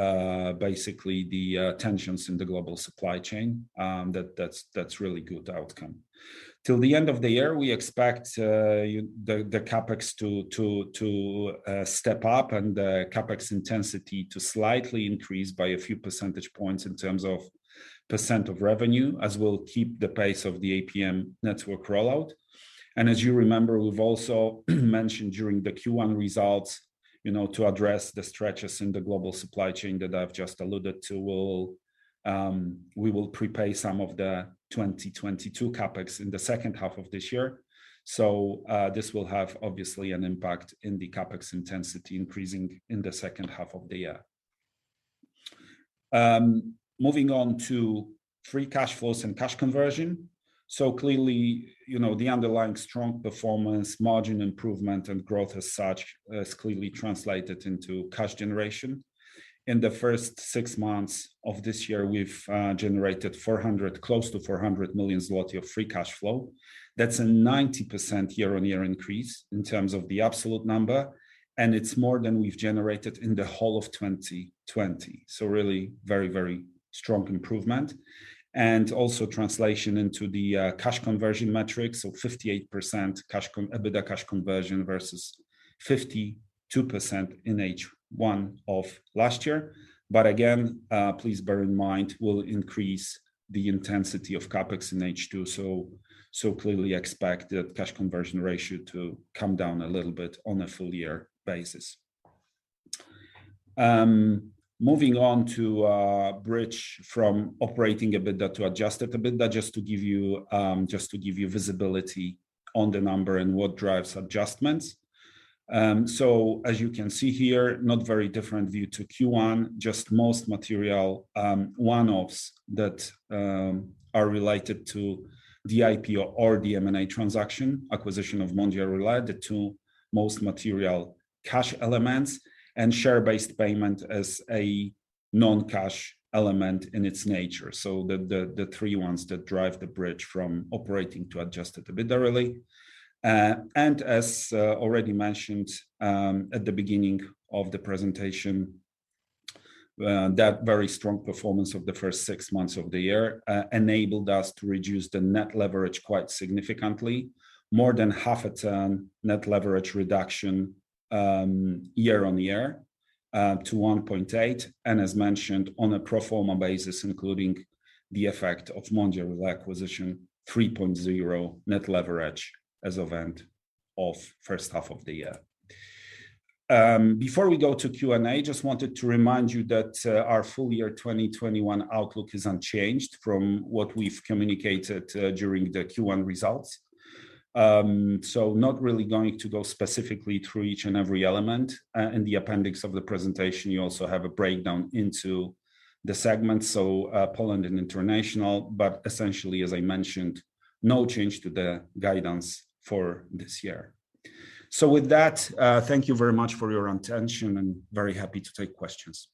basically the tensions in the global supply chain, that's really good outcome. Till the end of the year, we expect the CapEx to step up and the CapEx intensity to slightly increase by a few percentage points in terms of percent of revenue, as we'll keep the pace of the APM network rollout. As you remember, we've also mentioned during the Q1 results, to address the stretches in the global supply chain that I've just alluded to, we will prepay some of the 2022 CapEx in the second half of this year. This will have obviously an impact in the CapEx intensity increasing in the second half of the year. Moving on to free cash flows and cash conversion. Clearly, the underlying strong performance, margin improvement, and growth as such, has clearly translated into cash generation. In the first six months of this year, we've generated close to 400 million zloty of free cash flow. That's a 90% year-on-year increase in terms of the absolute number, and it's more than we've generated in the whole of 2020. Really very, very strong improvement. Also translation into the cash conversion metrics of 58% EBITDA cash conversion versus 52% in H1 of last year. Again, please bear in mind, we'll increase the intensity of CapEx in H2. Clearly expect the cash conversion ratio to come down a little bit on a full-year basis. Moving on to a bridge from operating EBITDA to adjusted EBITDA, just to give you visibility on the number and what drives adjustments. As you can see here, not very different view to Q1, just most material one-offs that are related to the IPO or the M&A transaction, acquisition of Mondial are related to most material cash elements and share-based payment as a non-cash element in its nature. The 3 ones that drive the bridge from operating to adjusted EBITDA really. As already mentioned at the beginning of the presentation, that very strong performance of the first six months of the year enabled us to reduce the net leverage quite significantly, more than half a turn net leverage reduction year-on-year to 1.8. As mentioned, on a pro forma basis, including the effect of Mondi acquisition, 3.0 net leverage as of end of first half of the year. Before we go to Q&A, just wanted to remind you that our full year 2021 outlook is unchanged from what we've communicated during the Q1 results. Not really going to go specifically through each and every element. In the appendix of the presentation, you also have a breakdown into the segments, so Poland and international. Essentially, as I mentioned, no change to the guidance for this year. With that, thank you very much for your attention and very happy to take questions.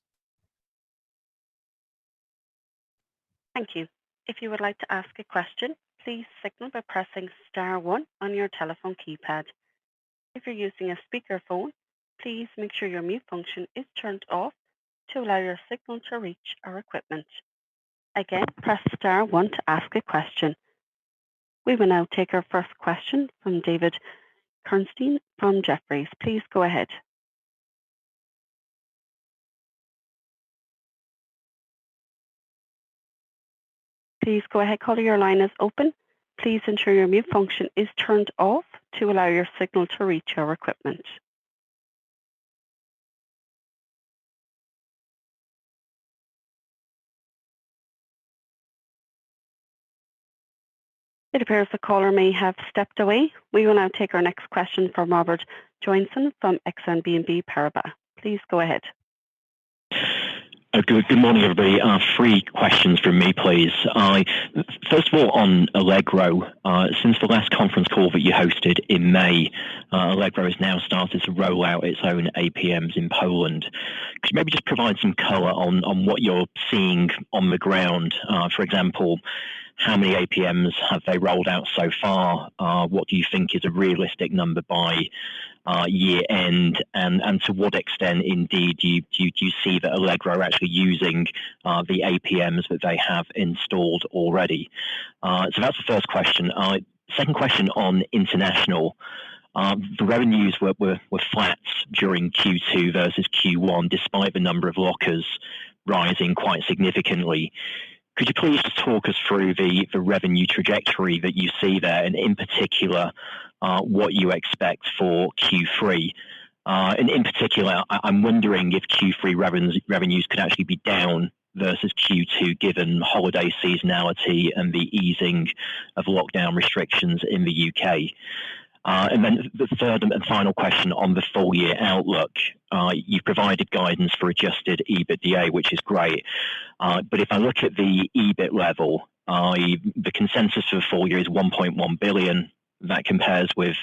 Thank you. If you would like to ask a question, please signal by pressing star one on your telephone keypad. If you're using a speakerphone, please make sure your mute function is turned off to allow your signal to reach our equipment. Again, press star one to ask a question. We will now take our first question from David Kerstens from Jefferies. Please go ahead. Please go ahead, caller, your line is open. Please ensure your mute function is turned off to allow your signal to reach our equipment. It appears the caller may have stepped away. We will now take our next question from Robert Joynson from Exane BNP Paribas. Please go ahead. Good morning, everybody. Three questions from me, please. First of all, on Allegro. Since the last conference call that you hosted in May, Allegro has now started to roll out its own APMs in Poland. Could you maybe just provide some color on what you're seeing on the ground? For example, how many APMs have they rolled out so far? What do you think is a realistic number by year-end, and to what extent, indeed, do you see that Allegro are actually using the APMs that they have installed already? That's the first question. Second question on international. The revenues were flat during Q2 versus Q1, despite the number of lockers rising quite significantly. Could you please just talk us through the revenue trajectory that you see there, and in particular, what you expect for Q3? In particular, I'm wondering if Q3 revenues could actually be down versus Q2, given holiday seasonality and the easing of lockdown restrictions in the U.K. The third and final question on the full-year outlook. You've provided guidance for adjusted EBITDA, which is great. If I look at the EBIT level, the consensus for full year is 1.1 billion. That compares with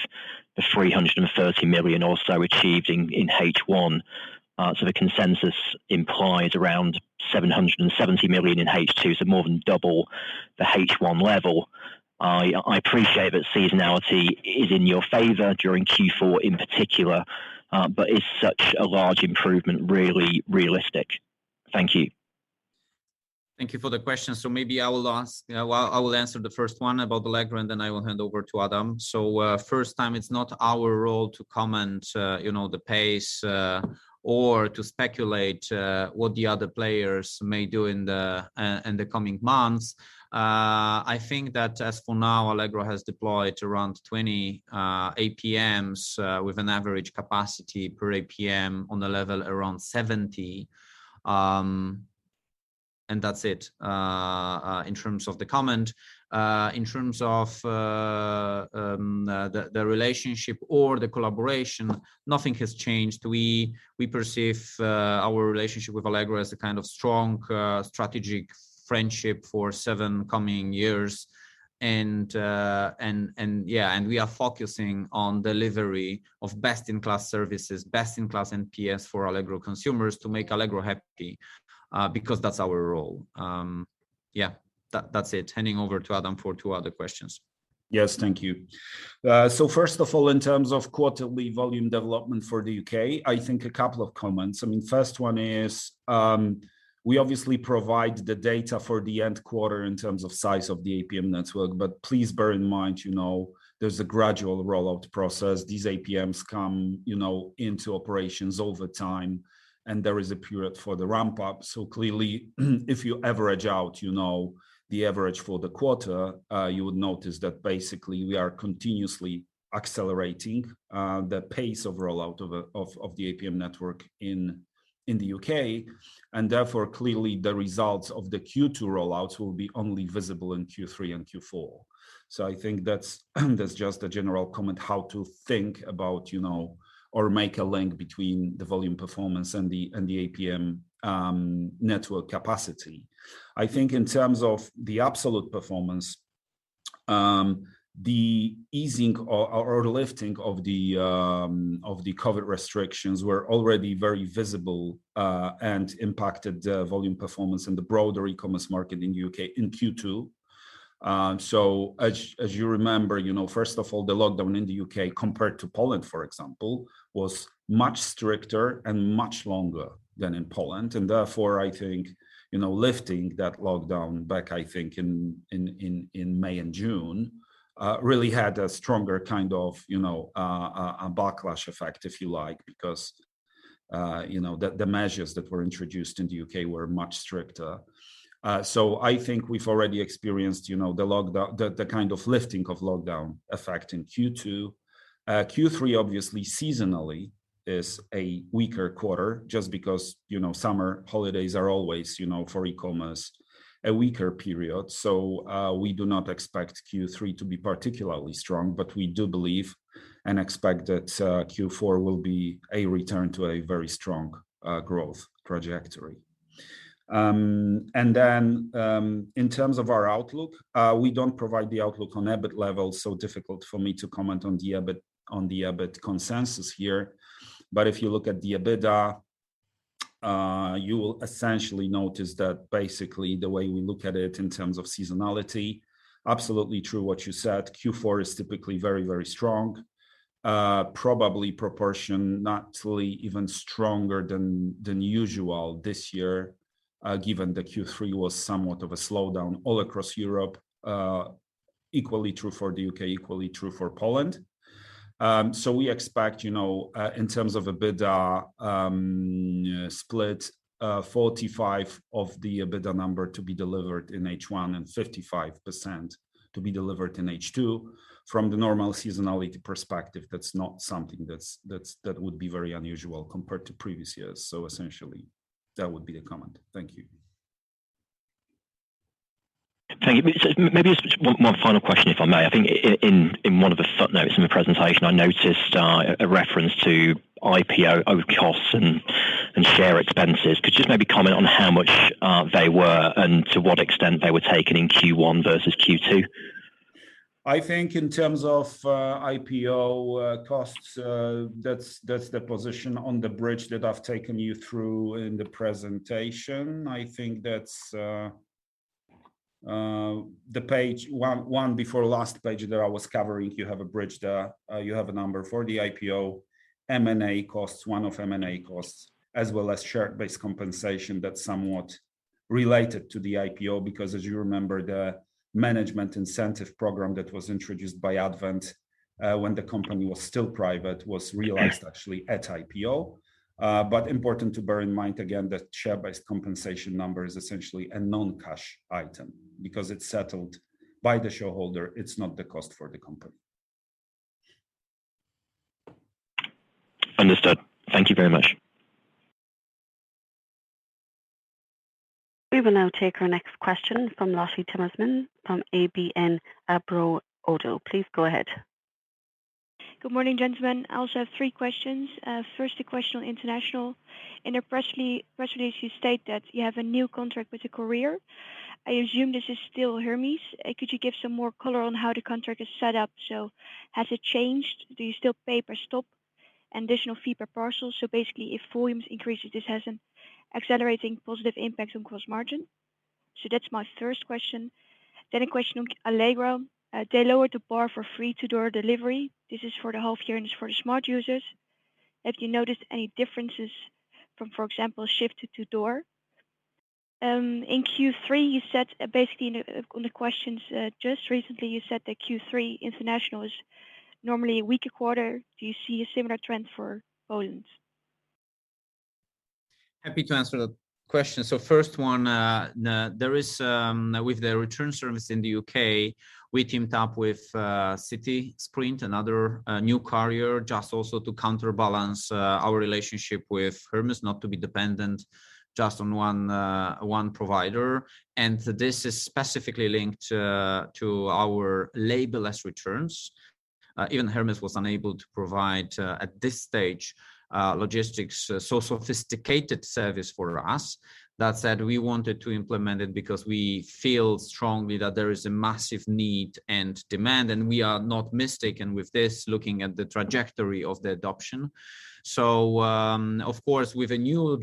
the 330 million also achieved in H1. The consensus implies around 770 million in H2, so more than double the H1 level. I appreciate that seasonality is in your favor during Q4 in particular. Is such a large improvement really realistic? Thank you. Thank you for the question. Maybe I will answer the first one about Allegro, then I will hand over to Adam. First time, it's not our role to comment the pace or to speculate what the other players may do in the coming months. I think that as for now, Allegro has deployed around 20 APMs with an average capacity per APM on the level around 70. That's it in terms of the comment. In terms of the relationship or the collaboration, nothing has changed. We perceive our relationship with Allegro as a kind of strong, strategic friendship for seven coming years. We are focusing on delivery of best-in-class services, best-in-class NPS for Allegro consumers to make Allegro happy, because that's our role. Yeah. That's it. Handing over to Adam for two other questions. Yes, thank you. First of all, in terms of quarterly volume development for the U.K., I think a couple of comments. First one is, we obviously provide the data for the end quarter in terms of size of the APM network. Please bear in mind, there's a gradual rollout process. These APMs come into operations over time, and there is a period for the ramp-up. Clearly, if you average out the average for the quarter, you would notice that basically we are continuously accelerating the pace of rollout of the APM network in the U.K. Therefore, clearly the results of the Q2 rollouts will be only visible in Q3 and Q4. I think that's just a general comment, how to think about or make a link between the volume performance and the APM network capacity. I think in terms of the absolute performance, the easing or lifting of the COVID restrictions were already very visible and impacted the volume performance in the broader e-commerce market in the U.K. in Q2. As you remember, first of all, the lockdown in the U.K., compared to Poland, for example, was much stricter and much longer than in Poland. Therefore, I think, lifting that lockdown back, I think, in May and June, really had a stronger kind of a backlash effect, if you like, because the measures that were introduced in the U.K. were much stricter. I think we've already experienced the kind of lifting of lockdown effect in Q2. Q3, obviously seasonally, is a weaker quarter just because summer holidays are always for e-commerce, a weaker period. We do not expect Q3 to be particularly strong, but we do believe and expect that Q4 will be a return to a very strong growth trajectory. In terms of our outlook, we don't provide the outlook on EBITDA level, so difficult for me to comment on the EBITDA consensus here. If you look at the EBITDA, you will essentially notice that basically the way we look at it in terms of seasonality, absolutely true what you said, Q4 is typically very strong. Probably proportion, naturally even stronger than usual this year, given that Q3 was somewhat of a slowdown all across Europe. Equally true for the U.K., equally true for Poland. We expect, in terms of EBITDA split, 45% of the EBITDA number to be delivered in H1 and 55% to be delivered in H2. From the normal seasonality perspective, that's not something that would be very unusual compared to previous years. Essentially, that would be the comment. Thank you. Thank you. Maybe just one final question, if I may. I think in one of the footnotes in the presentation, I noticed a reference to IPO costs and share expenses. Could you just maybe comment on how much they were and to what extent they were taken in Q1 versus Q2? I think in terms of IPO costs, that's the position on the bridge that I've taken you through in the presentation. I think that's the page one before last page there I was covering. You have a bridge there. You have a number for the IPO, M&A costs, as well as share-based compensation that's somewhat related to the IPO, because as you remember, the management incentive program that was introduced by Advent when the company was still private, was realized actually at IPO. Important to bear in mind, again, that share-based compensation number is essentially a non-cash item because it's settled by the shareholder, it's not the cost for the company. Understood. Thank you very much. We will now take our next question from Lotte Timmermans from ABN AMRO-ODDO BHF. Please go ahead. Good morning, gentlemen. I also have three questions. First a question on international. In your press release, you state that you have a new contract with a courier. I assume this is still Hermes. Could you give some more color on how the contract is set up? Has it changed? Do you still pay per stop and additional fee per parcel? Basically, if volumes increase, this has an accelerating positive impact on gross margin. That's my first question. A question on Allegro. They lowered the bar for free two-day delivery. This is for the half year and it's for the smart users. Have you noticed any differences from, for example, ship to to-door? In Q3, you said basically on the questions just recently, you said that Q3 international is normally a weaker quarter. Do you see a similar trend for Poland? Happy to answer the question. First one, with the return service in the U.K., we teamed up with CitySprint, another new courier, just also to counterbalance our relationship with Hermes, not to be dependent just on one provider. This is specifically linked to our label-less returns. Even Hermes was unable to provide, at this stage, logistics, so sophisticated service for us. That said, we wanted to implement it because we feel strongly that there is a massive need and demand, and we are not mistaken with this, looking at the trajectory of the adoption. Of course, with a new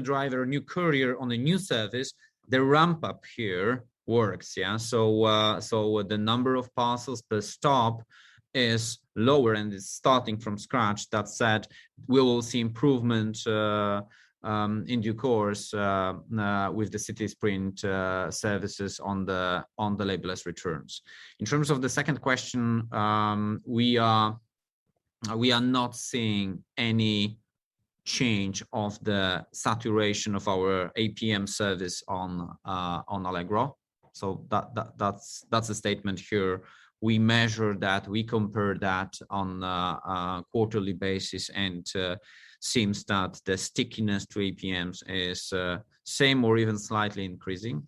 driver, a new courier on a new service, the ramp-up here works. Yeah? The number of parcels per stop is lower and is starting from scratch. That said, we will see improvement in due course with the CitySprint services on the label-less returns. In terms of the second question, we are not seeing any change of the saturation of our APM service on Allegro. That's a statement here. We measure that, we compare that on a quarterly basis, seems that the stickiness to APMs is same or even slightly increasing.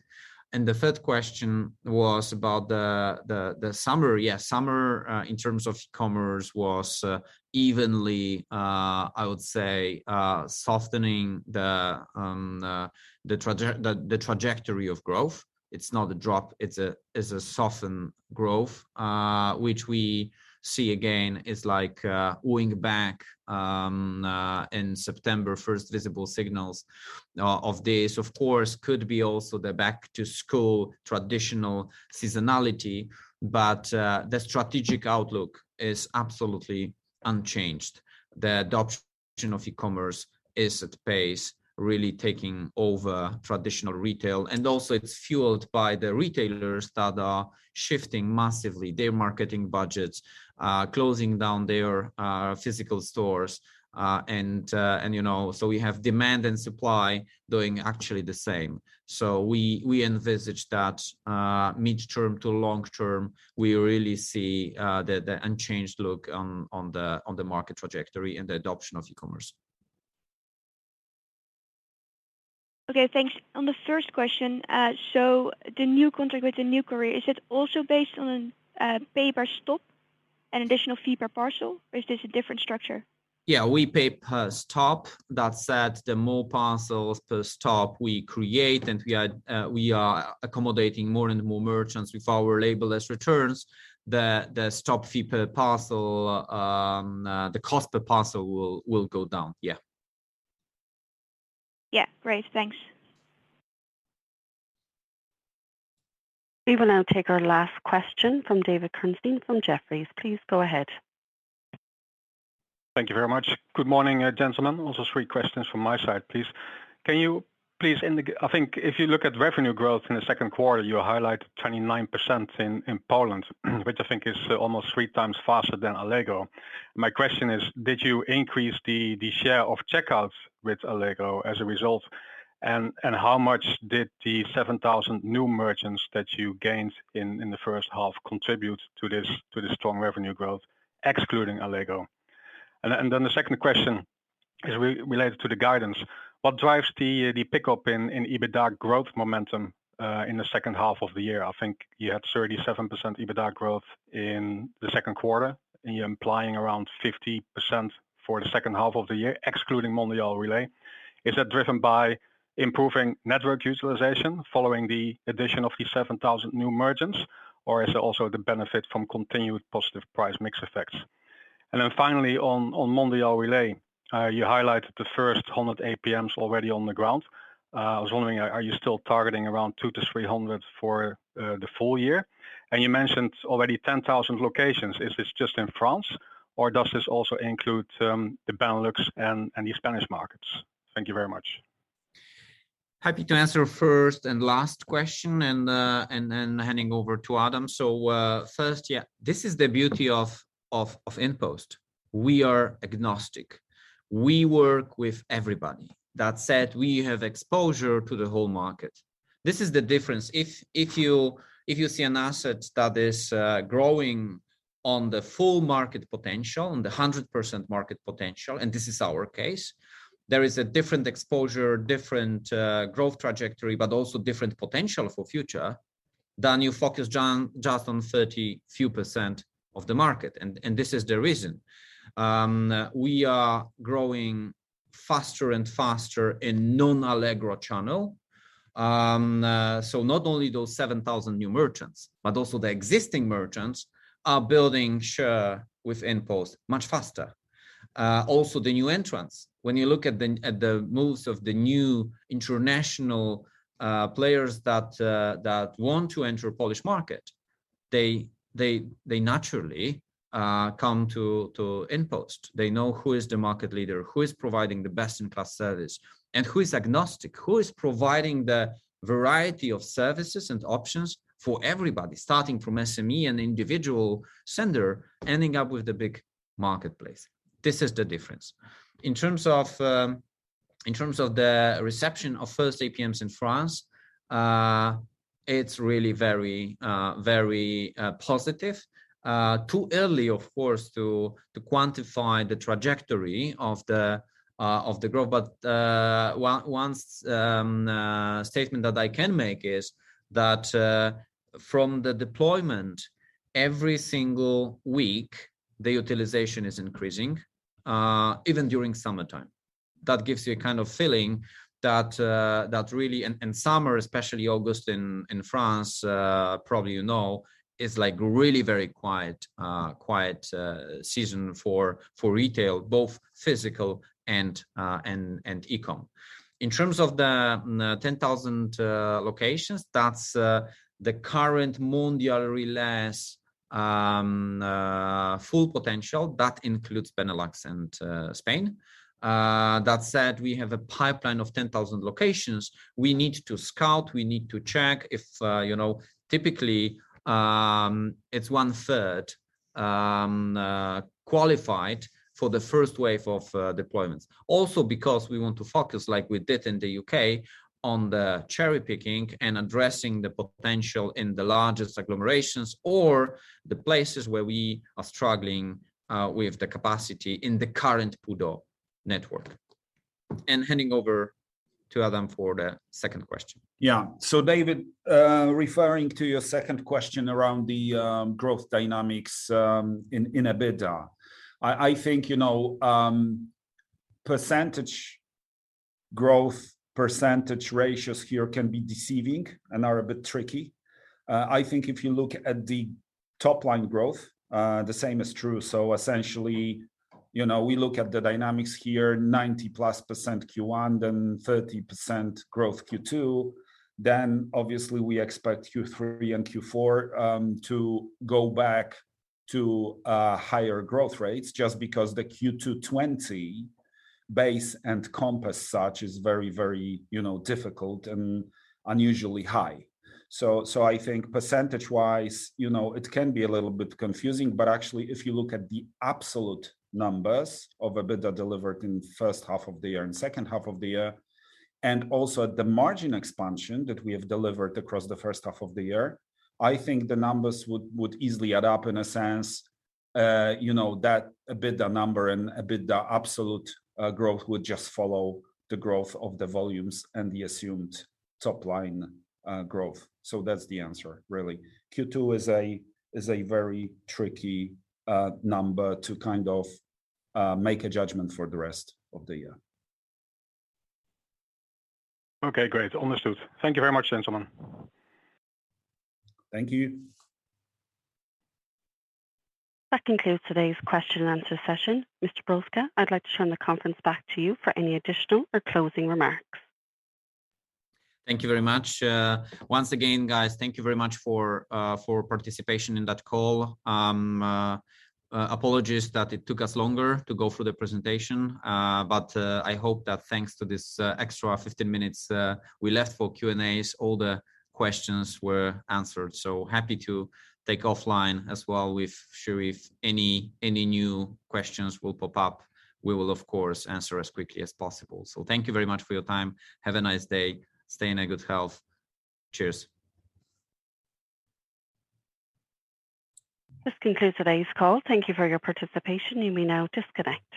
The third question was about the summer. Yeah, summer, in terms of commerce was evenly, I would say, softening the trajectory of growth. It's not a drop, it's a soften growth, which we see again is like wing-back in September, first visible signals of this. Of course, could be also the back-to-school traditional seasonality. The strategic outlook is absolutely unchanged. The adoption of e-commerce is at pace, really taking over traditional retail. Also it's fueled by the retailers that are shifting massively their marketing budgets, closing down their physical stores. We have demand and supply doing actually the same. We envisage that midterm to long term, we really see the unchanged look on the market trajectory and the adoption of e-commerce. Okay, thanks. On the first question, the new contract with the new courier, is it also based on a pay per stop and additional fee per parcel, or is this a different structure? Yeah, we pay per stop. That said, the more parcels per stop we create and we are accommodating more and more merchants with our label-less returns, the stop fee per parcel, the cost per parcel will go down. Yeah. Yeah. Great, thanks. We will now take our last question from David Kerstens from Jefferies. Please go ahead. Thank you very much. Good morning, gentlemen. I have three questions from my side, please. If you look at revenue growth in the second quarter, you highlight 29% in Poland, which is almost 3x faster than Allegro. My question is, did you increase the share of checkouts with Allegro as a result? How much did the 7,000 new merchants that you gained in the first half contribute to this strong revenue growth, excluding Allegro? The second question is related to the guidance. What drives the pickup in EBITDA growth momentum in the second half of the year? You had 37% EBITDA growth in the second quarter, and you're implying around 50% for the second half of the year, excluding Mondial Relay. Is that driven by improving network utilization following the addition of the 7,000 new merchants, or is it also the benefit from continued positive price mix effects? Then finally on Mondial Relay, you highlighted the first 100 APMs already on the ground. I was wondering, are you still targeting around 200-300 for the full year? You mentioned already 10,000 locations. Is this just in France, or does this also include the Benelux and the Spanish markets? Thank you very much. Happy to answer first and last question, and then handing over to Adam. First, yeah, this is the beauty of InPost. We are agnostic. We work with everybody. That said, we have exposure to the whole market. This is the difference. If you see an asset that is growing on the full market potential, on the 100% market potential, and this is our case, there is a different exposure, different growth trajectory, but also different potential for future. Then you focus just on 30-few% of the market, and this is the reason. We are growing faster and faster in non-Allegro channel. Not only those 7,000 new merchants, but also the existing merchants are building share with InPost much faster. Also, the new entrants, when you look at the moves of the new international players that want to enter Polish market, they naturally come to InPost. They know who is the market leader, who is providing the best-in-class service, and who is agnostic, who is providing the variety of services and options for everybody, starting from SME and individual sender, ending up with the big marketplace. This is the difference. In terms of the reception of first APMs in France, it is really very positive. Too early, of course, to quantify the trajectory of the growth. One statement that I can make is that from the deployment, every single week, the utilization is increasing, even during summertime. That gives you a kind of feeling. Summer, especially August in France, probably you know, is really very quiet season for retail, both physical and eCom. In terms of the 10,000 locations, that is the current Mondial Relay's full potential. That includes Benelux and Spain. That said, we have a pipeline of 10,000 locations we need to scout, we need to check if, typically, it's one third qualified for the first wave of deployments. Also because we want to focus, like we did in the U.K., on the cherry-picking and addressing the potential in the largest agglomerations or the places where we are struggling with the capacity in the current PUDO network. Handing over to Adam for the second question. David, referring to your second question around the growth dynamics in EBITDA. I think percentage growth, percentage ratios here can be deceiving and are a bit tricky. I think if you look at the top-line growth, the same is true. Essentially, we look at the dynamics here, 90+ % Q1, 30% growth Q2, obviously we expect Q3 and Q4 to go back to higher growth rates just because the Q2 2020 base and compass such is very difficult and unusually high. I think percentage-wise, it can be a little bit confusing. Actually, if you look at the absolute numbers of EBITDA delivered in the 1st half of the year and second half of the year, and also at the margin expansion that we have delivered across the 1st half of the year, I think the numbers would easily add up in a sense that EBITDA number and EBITDA absolute growth would just follow the growth of the volumes and the assumed top-line growth. That's the answer, really. Q2 is a very tricky number to kind of make a judgment for the rest of the year. Okay, great. Understood. Thank you very much, gentlemen. Thank you. That concludes today's question and answer session. Mr. Brzoska, I'd like to turn the conference back to you for any additional or closing remarks. Thank you very much. Once again, guys, thank you very much for participation in that call. Apologies that it took us longer to go through the presentation. I hope that thanks to this extra 15 minutes we left for Q&As, all the questions were answered. Happy to take offline as well with Sharif. Any new questions will pop up, we will of course answer as quickly as possible. Thank you very much for your time. Have a nice day. Stay in a good health. Cheers. This concludes today's call. Thank you for your participation. You may now disconnect.